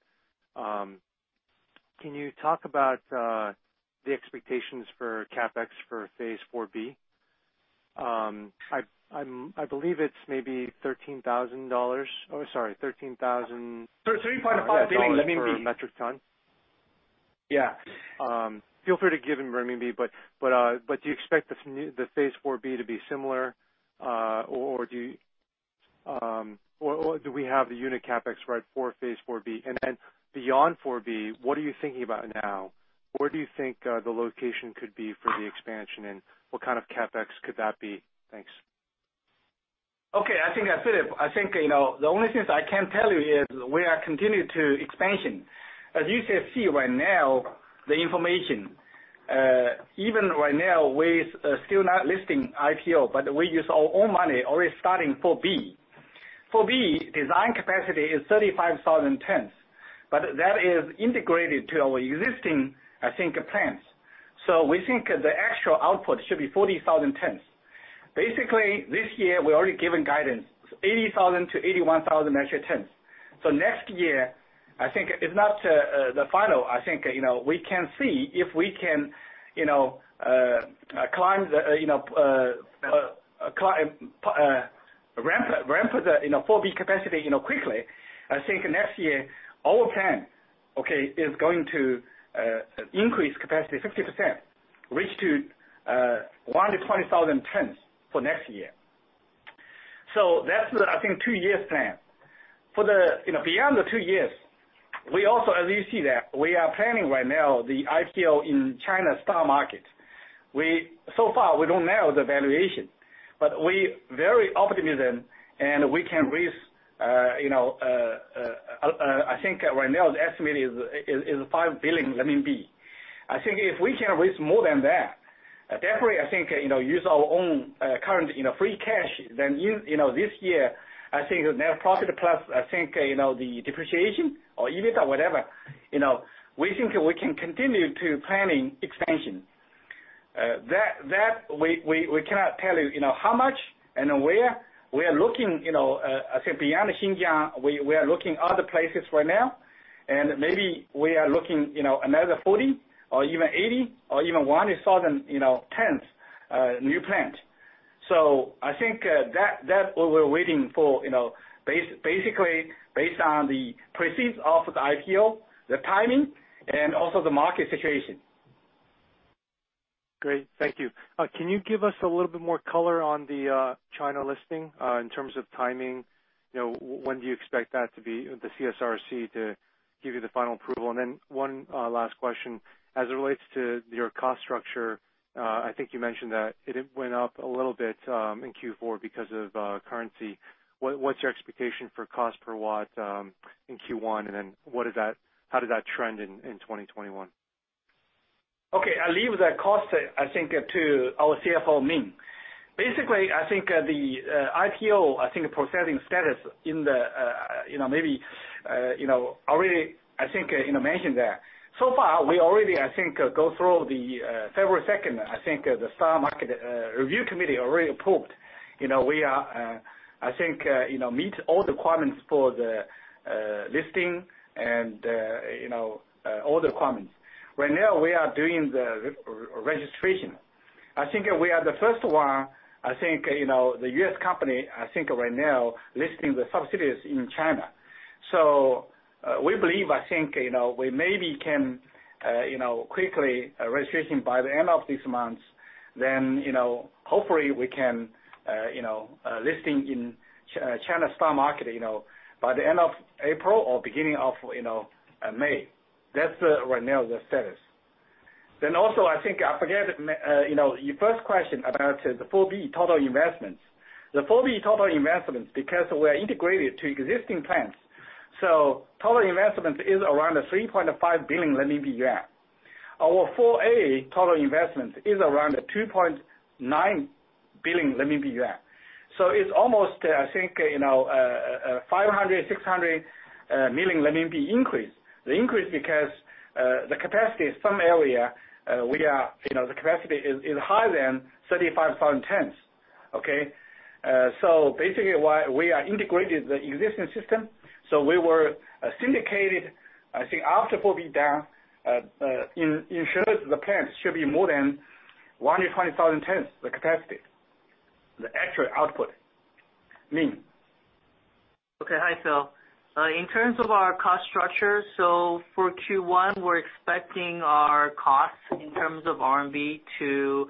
Can you talk about the expectations for CapEx for phase IV-B? I believe it's maybe CNY 13,000. Oh, sorry. 13.5 billion. For metric ton? Yeah. Feel free to give in renminbi, but do you expect the new phase IV-B to be similar? Do we have the unit CapEx right for phase IV-B? Beyond IV-B, what are you thinking about now? Where do you think the location could be for the expansion, and what kind of CapEx could that be? Thanks. Okay. I think, Philip, you know, the only things I can tell you is we are continue to expansion. As you can see right now the information, even right now we still not listing IPO, but we use our own money already starting phase IV-B. Phase IV-B design capacity is 35,000 tons, but that is integrated to our existing plants. We think the actual output should be 40,000 tons. Basically, this year we're already given guidance, 80,000-81,000 metric tons. Next year, I think it's not the final, you know, we can see if we can, you know, climb the, you know, ramp up phase IV-B capacity, you know, quickly. I think next year our plan, okay, is going to increase capacity 60%, which to 120,000 tons for next year. That's the, I think, two years plan. For the, you know, beyond the two years, we also, as you see that, we are planning right now the IPO in China stock market. So far we don't know the valuation, but we very optimism, and we can raise, you know, I think right now the estimate is 5 billion. I think if we can raise more than that, definitely I think, you know, use our own, current, you know, free cash, then, you know, this year, I think the net profit plus, I think, you know, the depreciation or EBITDA, whatever, you know, we think we can continue to planning expansion. That we cannot tell you know, how much and where. We are looking, you know, I think beyond Xinjiang, we are looking other places right now. Maybe we are looking, you know, another 40 or even 80 or even 1,000, you know, tons, new plant. I think that what we're waiting for, you know, basically based on the proceeds of the IPO, the timing, and also the market situation. Great. Thank you. Can you give us a little bit more color on the China listing in terms of timing? You know, when do you expect that to be, the CSRC to give you the final approval? One last question. As it relates to your cost structure, I think you mentioned that it had went up a little bit in Q4 because of currency. What's your expectation for cost per watt in Q1? How does that trend in 2021? Okay. I leave the cost, I think, to our CFO, Ming. I think, the IPO, I think processing status in the, you know, maybe, you know, already I think, you know, mentioned that. So far we already, I think, go through the several second. I think the stock market review committee already approved. You know, we are, I think, you know, meet all requirements for the listing and, you know, all the requirements. Right now we are doing the re-registration. I think we are the first one, I think, you know, the U.S. company, I think right now, listing the subsidiary in China. We believe I think, you know, we maybe can, you know, quickly registration by the end of this month. You know, hopefully we can, you know, listing in China stock market, you know, by the end of April or beginning of, you know, May. That's right now the status. Also, I think I forget, you know, your first question about the phase IV-B total investments. The phase IV-B total investments, because we are integrated to existing plants. Total investments is around 3.5 billion renminbi. Our phase IV-A total investments is around 2.9 billion renminbi. It's almost, I think, you know, 500 million-600 million renminbi increase. The increase because the capacity is some area, we are, you know, the capacity is higher than 35,000 tons. Okay. Basically why we are integrated the existing system, so we were syndicated, I think after phase IV-B done, ensure the plants should be more than 120,000 tons, the capacity. The actual output. Ming? Hi, Phil. In terms of our cost structure, for Q1 we're expecting our costs in terms of RMB to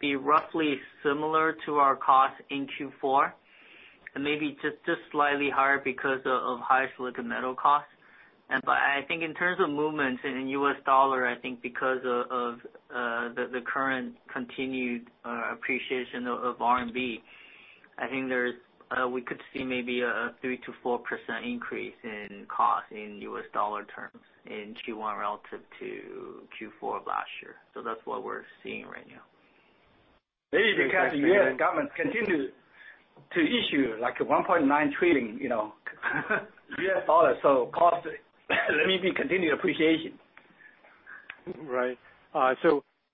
be roughly similar to our costs in Q4, maybe just slightly higher because of higher silicon metal costs. I think in terms of movements in US dollar, I think because of the current continued appreciation of RMB, I think there's we could see maybe a 3%-4% increase in cost in US dollar terms in Q1 relative to Q4 of last year. That's what we're seeing right now. Maybe because U.S. government continue to issue like $1.9 trillion, you know, U.S. dollars, so cost, RMB continue appreciation. Right.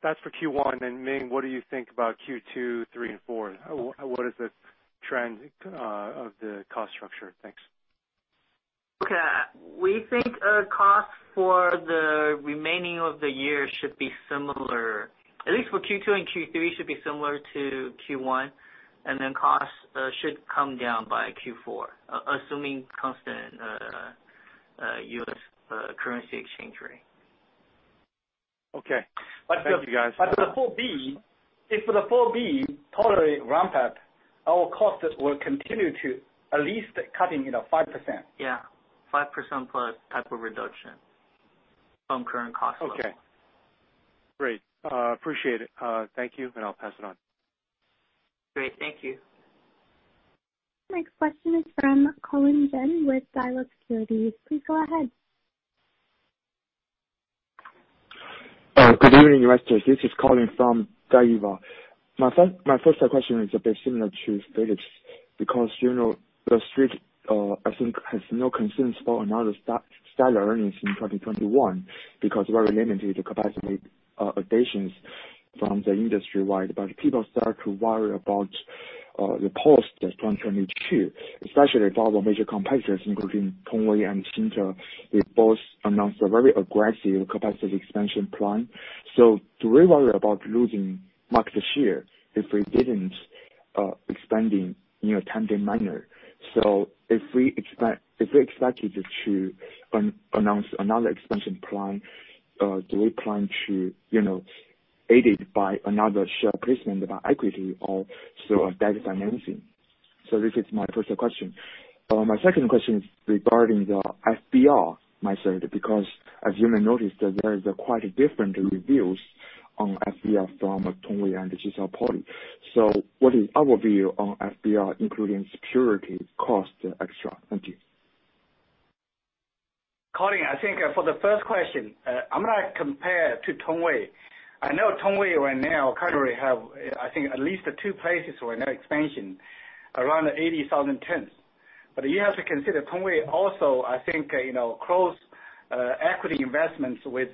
That's for Q1. Ming, what do you think about Q2, Q3 and Q4? What is the trend of the cost structure? Thanks. Okay. We think, cost for the remaining of the year should be similar, at least for Q2 and Q3 should be similar to Q1. Costs should come down by Q4, assuming constant, U.S. currency exchange rate. Okay. Thank you, guys. The phase IV-B, if the phase IV-B totally ramped up, our costs will continue to at least cutting, you know, 5%. Yeah, 5% plus type of reduction from current cost. Okay. Great. Appreciate it. Thank you, and I'll pass it on. Great. Thank you. Next question is from Colin Yang with Daiwa Securities. Please go ahead. Good evening, investors. This is Colin from Daiwa. My first question is a bit similar to Philip's, because, you know, the Street, I think has no concerns for another stellar earnings in 2021 because very limited capacity additions from the industry-wide. People start to worry about the post 2022, especially for our major competitors, including Tongwei and Xinte. They both announced a very aggressive capacity expansion plan. Do we worry about losing market share if we didn't expanding in a timely manner? If we expect, if we expected to announce another expansion plan, do we plan to, you know, aided by another share placement about equity or through a debt financing? This is my first question. My second question is regarding the FBR method, because as you may notice that there is a quite different reviews on FBR from Tongwei and GCL-Poly. What is our view on FBR including security costs et cetera? Thank you. Colin, I think, for the first question, I'm going to compare to Tongwei. I know Tongwei right now currently have, I think at least two places where net expansion around 80,000 tons. You have to consider Tongwei also, I think, you know, close equity investments with,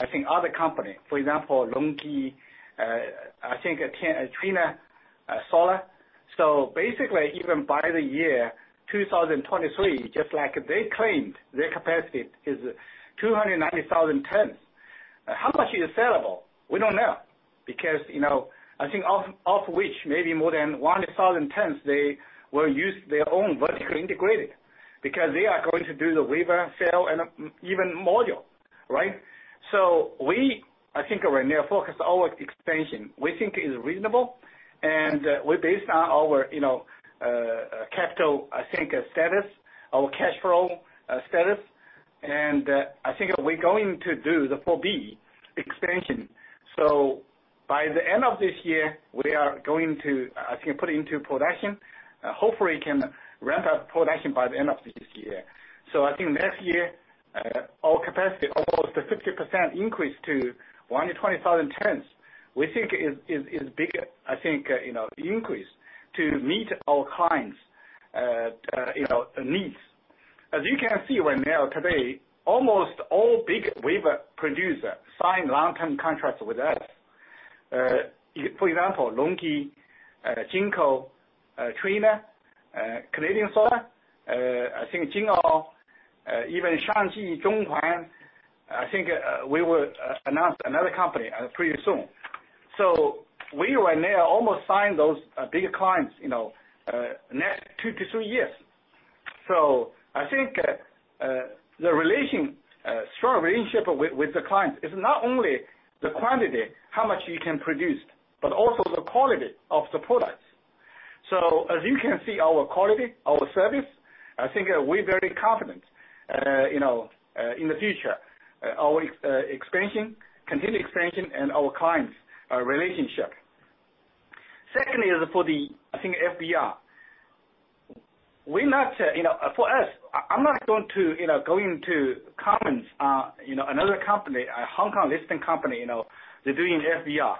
I think, other company. For example, LONGi, I think Trina Solar. Basically even by the year 2023, just like they claimed their capacity is 290,000 tons. How much is sellable? We don't know. You know, I think of which maybe more than 1,000 tons they will use their own vertically integrated, because they are going to do the wafer, cell, and even module, right? We, I think right now focus our expansion. We think it is reasonable, we based on our, you know, capital, I think status, our cash flow, status. I think we're going to do the phase IV-B expansion. By the end of this year, we are going to, I think, put into production. Hopefully can ramp up production by the end of this year. I think next year, our capacity almost a 50% increase to 120,000 tons. We think it is big, I think, you know, increase to meet our clients', you know, needs. As you can see right now today, almost all big wafer producer sign long-term contracts with us. For example, LONGi, Jinko, Trina, Canadian Solar, I think Jinko, even Shangji, Zhonghuan. I think we will announce another company pretty soon. We right now almost signed those, bigger clients, you know, next two to three years. I think the relation, strong relationship with the clients is not only the quantity, how much you can produce, but also the quality of the products. As you can see our quality, our service, I think we're very confident, you know, in the future, our expansion, continued expansion and our clients relationship. Secondly is for the, I think, FBR. We're not, you know. For us, I'm not going to, you know, go into comments on, you know, another company, a Hong Kong-listed company, you know, they're doing FBR.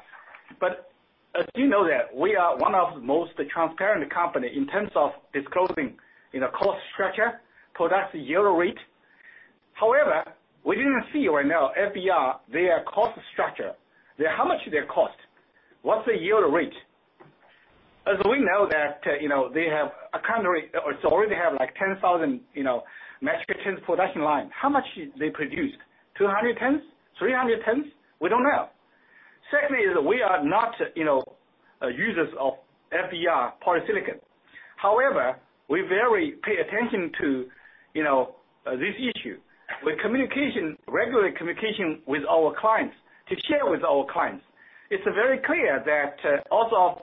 As you know that we are one of the most transparent company in terms of disclosing, you know, cost structure, products yield rate. However, we didn't see right now FBR, their cost structure. How much they cost? What's the yield rate? As we know that, you know, they have a current rate or sorry, they have like 10,000, you know, metric tons production line. How much they produce? 200 tons? 300 tons? We don't know. Secondly is we are not, you know, users of FBR polysilicon. We very pay attention to, you know, this issue. With communication, regular communication with our clients to share with our clients. It's very clear that, also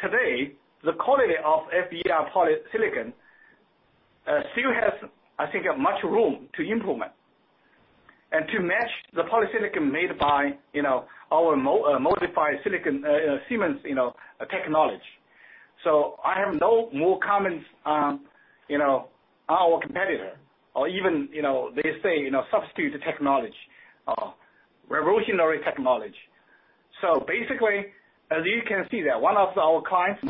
today, the quality of FBR polysilicon still has, I think, much room to implement and to match the polysilicon made by, you know, our modified Siemens method. I have no more comments on, you know, our competitor or even, you know, they say, you know, substitute technology or revolutionary technology. Basically, as you can see that one of our clients,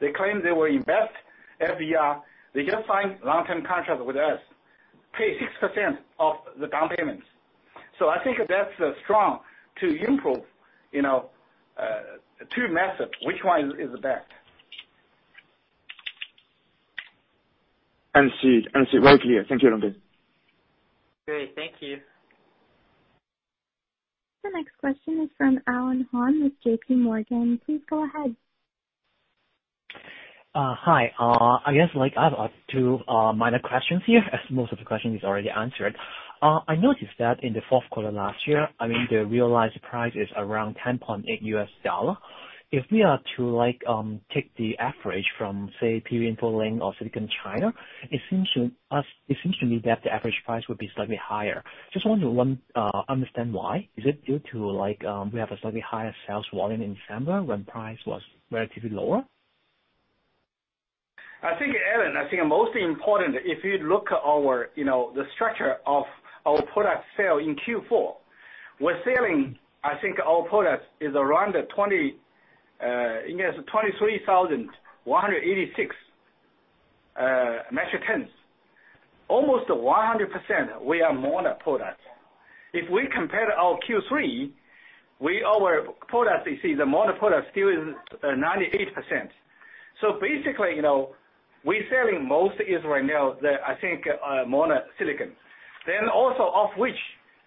they claim they will invest FBR. They just signed long-term contract with us, pay 6% of the down payments. I think that's strong to improve, you know, two methods, which one is the best. Understood. Very clear. Thank you, Longgen. Great. Thank you. The next question is from Alan Hon with JPMorgan. Please go ahead. Hi. I guess like I have two minor questions here, as most of the question is already answered. I noticed that in the fourth quarter last year, I mean, the realized price is around $10.8. If we are to like take the average from, say, PV InfoLink or Silicon China, it seems to us, it seems to me that the average price would be slightly higher. Just want to understand why. Is it due to like we have a slightly higher sales volume in December when price was relatively lower? I think, Alan Hon, I think most important, if you look at our, the structure of our product sale in Q4, we're selling I think our product is around 23,186 metric tons. Almost 100% we are mono products. If we compare our Q3, our products, you see the mono product still is 98%. Basically, we're selling most is right now the, I think, mono silicon. Also of which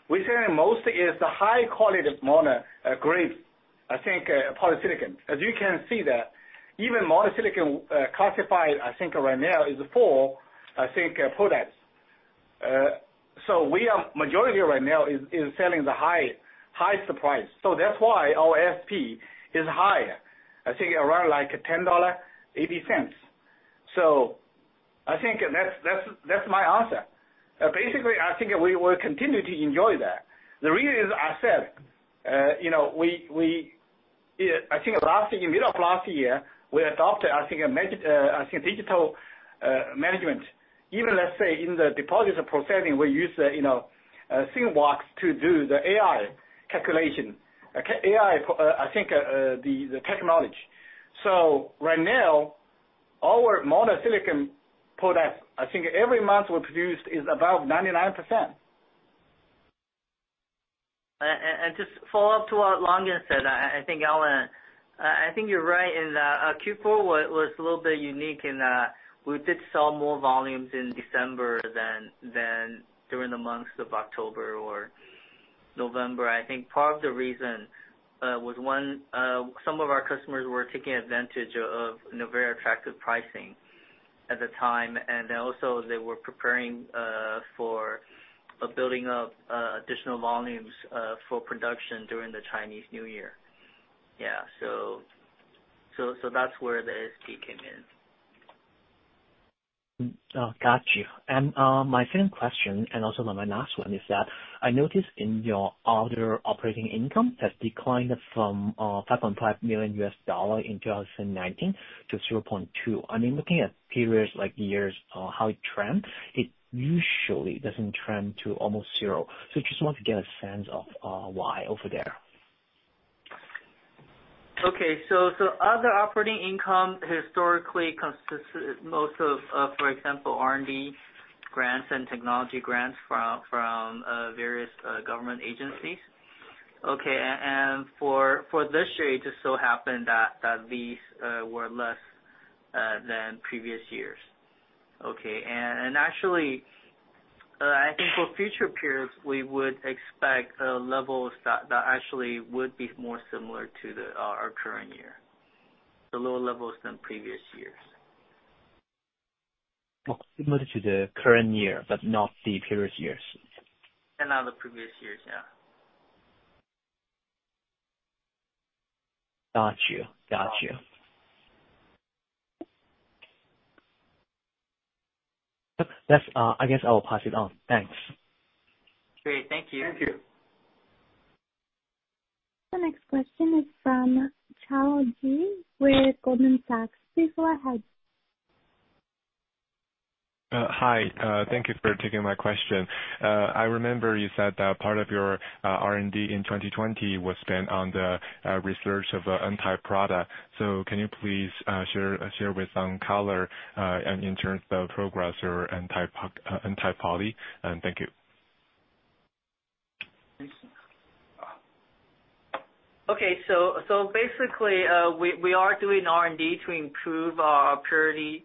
we're selling most is the high quality mono grade, I think, polysilicon. As you can see that even mono silicon classified, I think right now is four, I think, products. We are majority right now is selling the high, highest price. That's why our ASP is higher. I think around $10.80. I think that's my answer. Basically, I think we will continue to enjoy that. The reason is I said, you know, we, I think last year, in middle of last year, we adopted I think a digital management. Even let's say in the deposit processing, we use the, you know, [inaudible] to do the AI calculation. AI, I think, the technology. Right now, our mono silicon product, I think every month we produced is above 99%. Just follow up to what Longgen said, I think, Alan, I think you're right in that Q4 was a little bit unique in that we did sell more volumes in December than during the months of October or November. I think part of the reason was one, some of our customers were taking advantage of very attractive pricing at the time. Also they were preparing for building up additional volumes for production during the Chinese New Year. That's where the ASP came in. Got you. My second question, and also my last one is that I noticed in your other operating income has declined from $5.5 million in 2019 to $0.2. I mean, looking at periods like years, how it trend, it usually doesn't trend to almost zero. Just want to get a sense of why over there. Okay, other operating income historically consists most of, for example, R&D grants and technology grants from various government agencies. Okay, for this year, it just so happened that these were less than previous years. Okay. Actually, I think for future periods, we would expect levels that actually would be more similar to our current year, so lower levels than previous years. Okay. Similar to the current year, but not the previous years. Not the previous years, yeah. Got you. Got you. That's, I guess I will pass it on. Thanks. Great. Thank you. Thank you. The next question is from Chao Ji with Goldman Sachs. Please go ahead. Hi. Thank you for taking my question. I remember you said that part of your R&D in 2020 was spent on the research of N-type product. Can you please share with some color in terms of progress your N-type poly? Thank you. Okay. So basically, we are doing R&D to improve our purity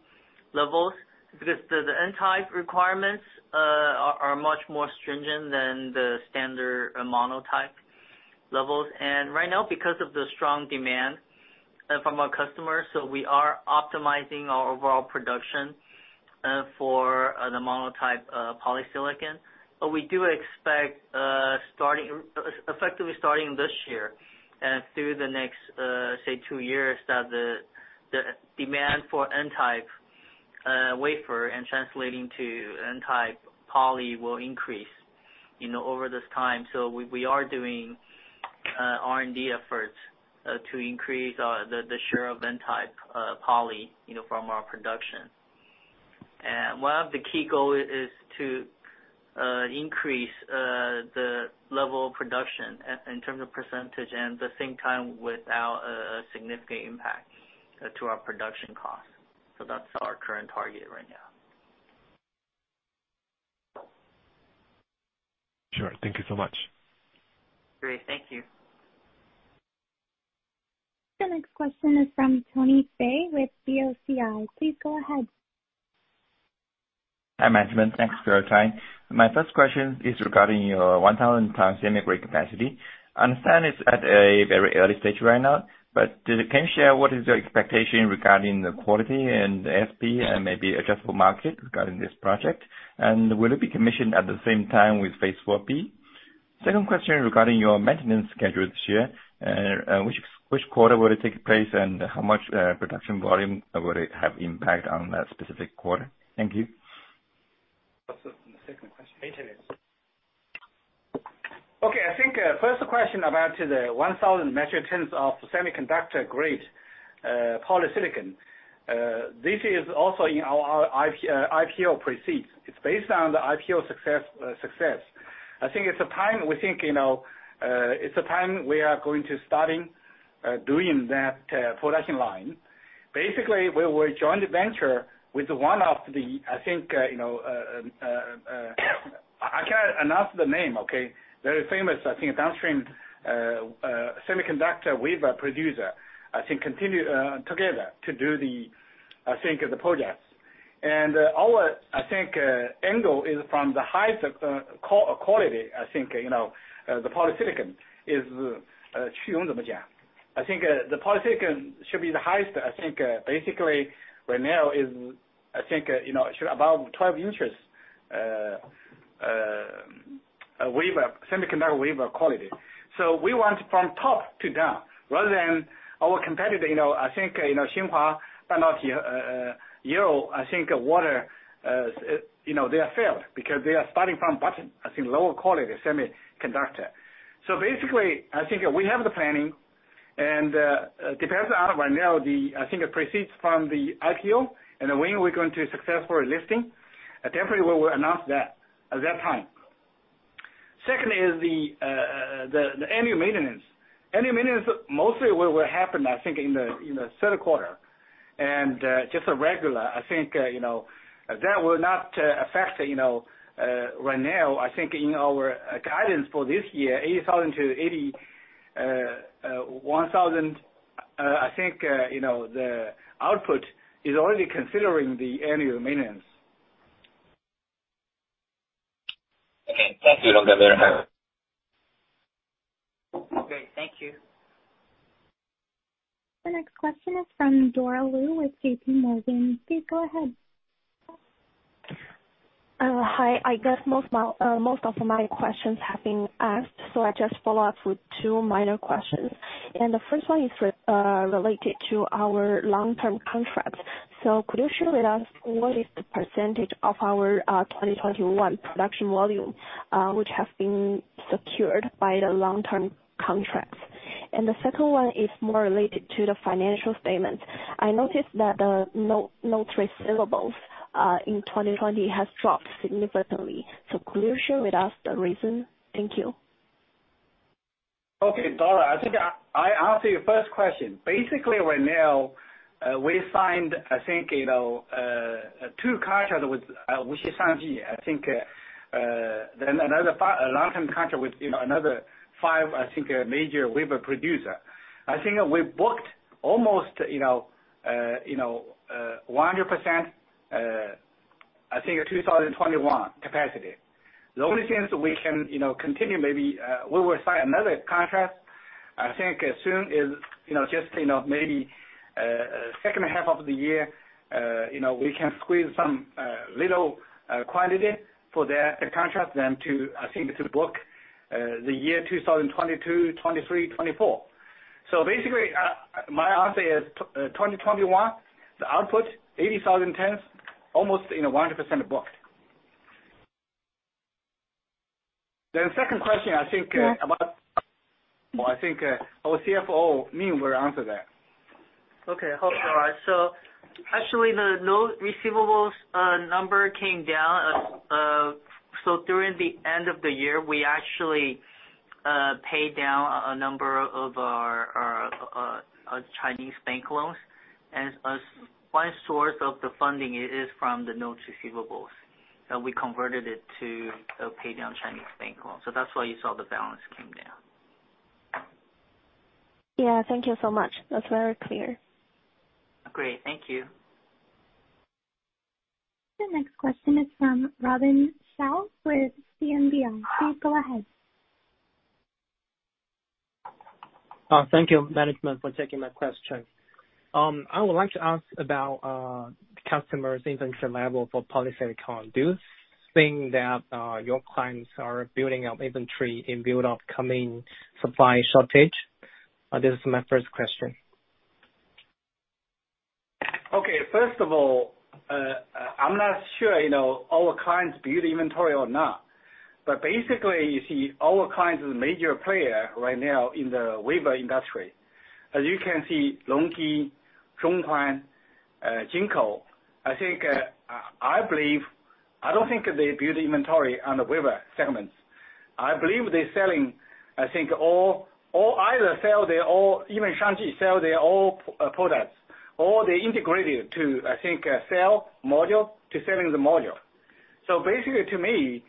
levels because the N-type requirements are much more stringent than the standard mono-type levels. Right now, because of the strong demand from our customers, we are optimizing our overall production for the mono-type polysilicon. We do expect starting effectively starting this year and through the next say two years, that the demand for N-type wafer and translating to N-type poly will increase, you know, over this time. We are doing R&D efforts to increase the share of N-type poly, you know, from our production. One of the key goal is to increase the level of production in terms of percentage and the same time without a significant impact to our production cost. That's our current target right now. Sure. Thank you so much. Great. Thank you. The next question is from Tony Fei with BOCI. Please go ahead. Hi, management. Thanks for your time. My first question is regarding your 1,000 ton semi-grade capacity. Understand it's at a very early stage right now, but can you share what is your expectation regarding the quality and ASP and maybe adjustable market regarding this project? Will it be commissioned at the same time with phase IV-B? Second question regarding your maintenance schedule this year. Which quarter will it take place, and how much production volume will it have impact on that specific quarter? Thank you. What's the second question? Maintenance. Okay. I think, first question about the 1,000 metric tons of semiconductor grade polysilicon. This is also in our IPO proceeds. It's based on the IPO success. I think it's a time we think, you know, it's a time we are going to starting doing that production line. Basically, we will joint venture with one of the, I think, you know, I cannot announce the name, okay? Very famous, I think, downstream semiconductor wafer producer, I think, continue together to do the, I think, the projects. Our, I think, angle is from the highest quality, I think, you know, the polysilicon is, I think, the polysilicon should be the highest. I think, basically right now is, I think, you know, should above 12 inches, wafer, semiconductor wafer quality. We want from top to down rather than our competitor, you know, I think, you know, Xinhua, but not, [Yole], I think Water, you know, they have failed because they are starting from bottom, I think lower quality semiconductor. Basically, I think we have the planning and, depends on right now the, I think, the proceeds from the IPO and when we're going to successfully listing, definitely we will announce that at that time. Second is the annual maintenance. Annual maintenance mostly will happen I think in the, in the third quarter. Just a regular, I think, you know, that will not affect, you know, right now, I think in our guidance for this year, 80,000 to 81,000, I think, you know, the output is already considering the annual maintenance. Okay. Thank you. Okay. Thank you. The next question is from [inaudible] with JPMorgan. Please go ahead. Hi. I guess most of my questions have been asked, so I just follow up with two minor questions. The first one is related to our long-term contracts. Could you share with us what is the % of our 2021 production volume which have been secured by the long-term contracts? The second one is more related to the financial statements. I noticed that the notes receivable in 2020 has dropped significantly. Could you share with us the reason? Thank you. Okay. Dora, I think I answer your first question. Basically, right now, we signed, I think, you know, two contracts with Shangji. I think a long-term contract with, you know, another five, I think, major wafer producer. I think we booked almost, you know, you know, 100%, I think, 2021 capacity. The only things we can, you know, continue maybe, we will sign another contract. I think as soon as, you know, just, you know, maybe second half of the year, you know, we can squeeze some little quantity for the contract then to, I think, to book the year 2022, 2023, 2024. Basically, my answer is 2021, the output, 80,000 tons almost in a 100% booked. Yeah. Well, I think, our CFO, Ming, will answer that. Okay. All right. Actually the notes receivables number came down. During the end of the year, we actually paid down a number of our Chinese bank loans. As one source of the funding is from the notes receivables, and we converted it to pay down Chinese bank loans. That's why you saw the balance came down. Yeah. Thank you so much. That is very clear. Great. Thank you. The next question is from Robin Xiao with CMBI. Please go ahead. Thank you management for taking my question. I would like to ask about customers' inventory level for polysilicon. Do you think that your clients are building up inventory in view of upcoming supply shortage? This is my first question. Okay. First of all, I'm not sure, you know, our clients build inventory or not. Basically, you see our clients is a major player right now in the wafer industry. As you can see, LONGi, Zhonghuan, Jinko. I think, I believe I don't think they build inventory on the wafer segments. I believe they're selling, I think all either sell their all Wuxi Shangji sell their all products, or they integrated to, I think, cell module to selling the module. Basically to me,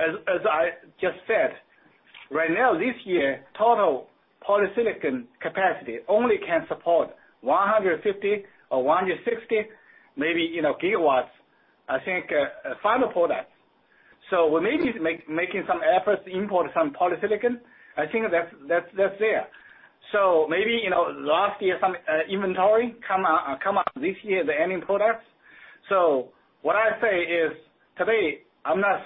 as I just said, right now, this year, total polysilicon capacity only can support 150 or 160 maybe, you know, gigawatts, final products. We may be making some efforts to import some polysilicon. I think that's there. Maybe, you know, last year some inventory come out this year the ending products. What I say is today I'm not,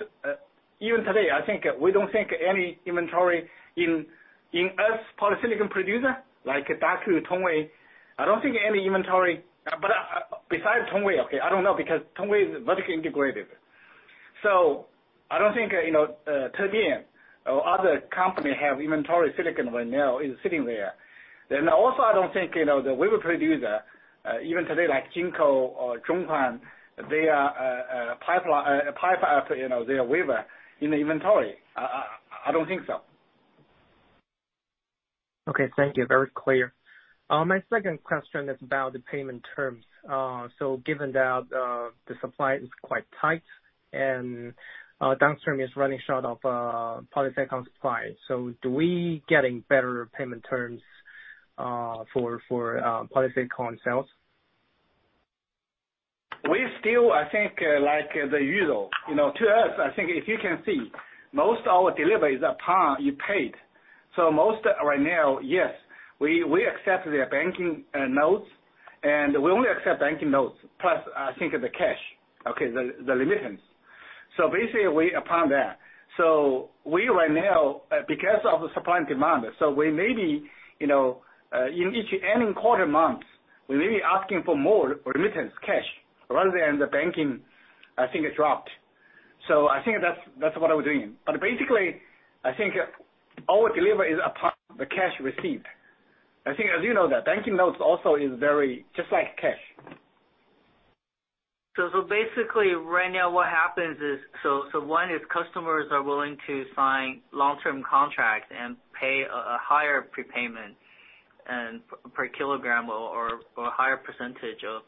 even today, I think we don't think any inventory in us polysilicon producer like Daqo, Tongwei, I don't think any inventory. Besides Tongwei, okay, I don't know, because Tongwei is vertically integrated. I don't think, you know, Xinte or other company have inventory silicon right now is sitting there. Also, I don't think, you know, the wafer producer, even today like Jinko or Zhonghuan, they are pipe up, you know, their wafer in the inventory. I don't think so. Okay. Thank you. Very clear. My second question is about the payment terms. Given that the supply is quite tight and downstream is running short of polysilicon supply, do we getting better payment terms for polysilicon sales? We still, I think, like the usual. You know, to us, I think if you can see, most our delivery is upon you paid. Most right now, yes, we accept their banking notes, and we only accept banking notes, plus I think the cash, okay, the remittance. Basically, we upon that. We right now, because of the supply and demand, we may be, you know, in each ending quarter months, we may be asking for more remittance cash rather than the banking, I think it dropped. I think that's what we're doing. Basically, I think our delivery is upon the cash received. I think as you know that banking notes also is very just like cash. Basically right now what happens is one is customers are willing to sign long-term contracts and pay a higher prepayment and per kilogram or a higher percentage of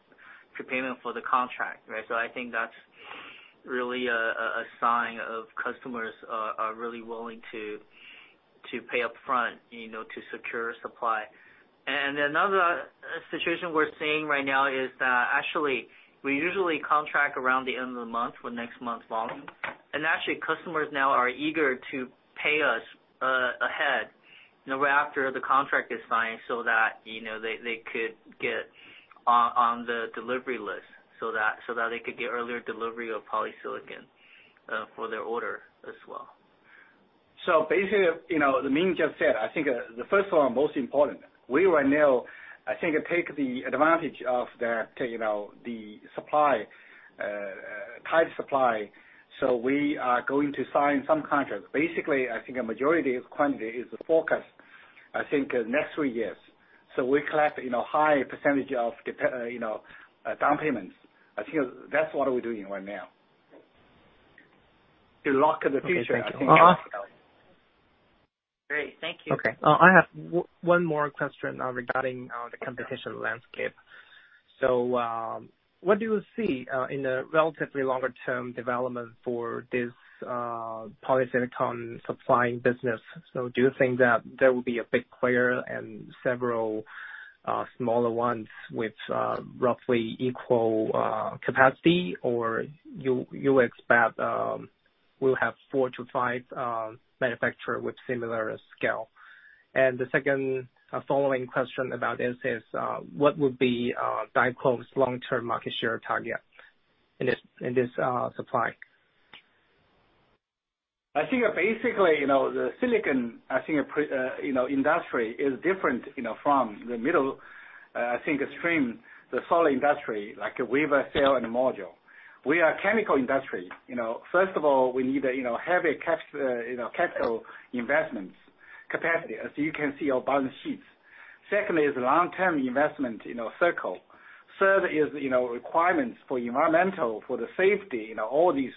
prepayment for the contract, right? I think that's really a sign of customers are really willing to pay upfront, you know, to secure supply. Another situation we're seeing right now is that actually we usually contract around the end of the month for next month volume. Actually, customers now are eager to pay us ahead, you know, right after the contract is signed so that, you know, they could get on the delivery list so that they could get earlier delivery of polysilicon for their order as well. Basically, you know, as Ming just said, I think, the first one, most important, we right now, I think take the advantage of the, you know, the supply, tight supply. We are going to sign some contracts. Basically, I think a majority of quantity is forecast, I think, next three years. We collect, you know, high percentage of down payments. I think that's what we're doing right now. Great. Thank you. Okay. I have one more question regarding the competition landscape. What do you see in the relatively longer-term development for this polysilicon supplying business? Do you think that there will be a big player and several smaller ones with roughly equal capacity? Or you expect will have four to five manufacturer with similar scale? The second following question about this is what would be Daqo's long-term market share target in this supply? I think basically, you know, the silicon, I think, you know, industry is different, you know, from the middle, I think upstream the solar industry, like wafer, cell, and module. We are chemical industry, you know. First of all, we need a, you know, heavy caps, you know, capital investments capacity, as you can see our balance sheets. Secondly is long-term investment, you know, circle. Third is, you know, requirements for environmental, for the safety, you know, all these.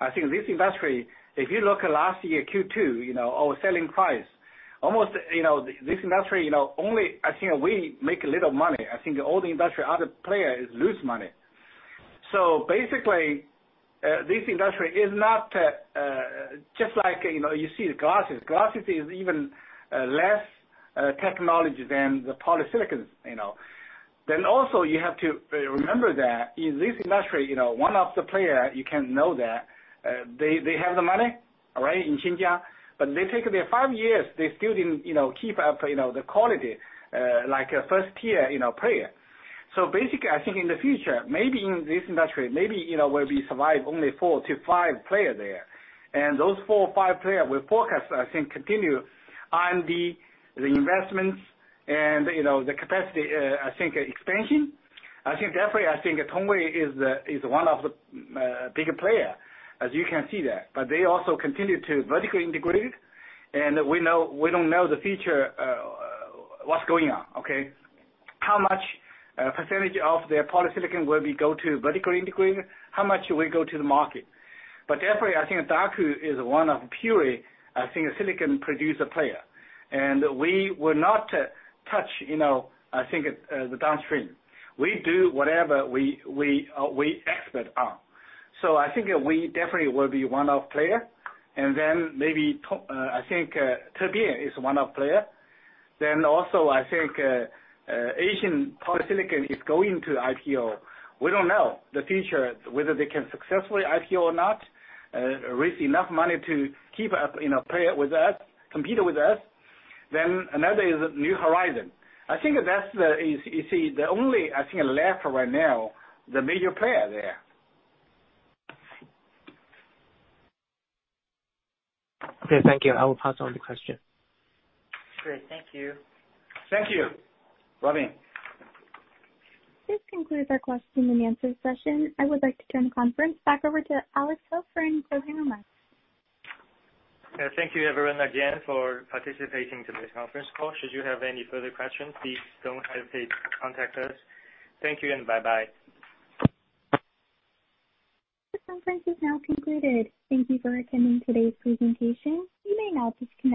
I think this industry, if you look at last year Q2, you know, our selling price, almost, you know, this industry, you know, I only think we make a little money. I think all the industry, other players lose money. Basically, this industry is not, just like, you know, you see the glasses. Glasses is even, less technology than the polysilicon, you know. You have to remember that in this industry, you know, one of the player, you can know that, they have the money, all right, in Xinjiang, but they take the five years, they still didn't, you know, keep up, you know, the quality, like a first tier, you know, player. I think in the future, maybe in this industry, maybe, you know, will be survive only four to five players there. Those four or five players will forecast, I think continue R&D, the investments and, you know, the capacity, I think expansion. I think definitely, I think Tongwei is one of the bigger player, as you can see that. They also continue to vertically integrate, and we know we don't know the future, what's going on. Okay. How much percentage of their polysilicon will be go to vertically integrate? How much will go to the market? Definitely, I think Daqo is one of purely, I think, a silicon producer player. We will not touch, you know, I think, the downstream. We do whatever we expert on. I think we definitely will be one of player, and then maybe I think TBEA is one of player. Also, I think, Asia Silicon is going to IPO. We don't know the future, whether they can successfully IPO or not, raise enough money to keep up, you know, play with us, compete with us. Another is New Horizon. I think that's the only, I think, left right now, the major player there. Okay, thank you. I will pass on the question. Great. Thank you. Thank you. Robin. This concludes our question and answer session. I would like to turn the conference back over to Kevin He for any closing remarks. Thank you everyone again for participating today's conference call. Should you have any further questions, please don't hesitate to contact us. Thank you and bye-bye. This conference is now concluded. Thank you for attending today's presentation. You may now disconnect.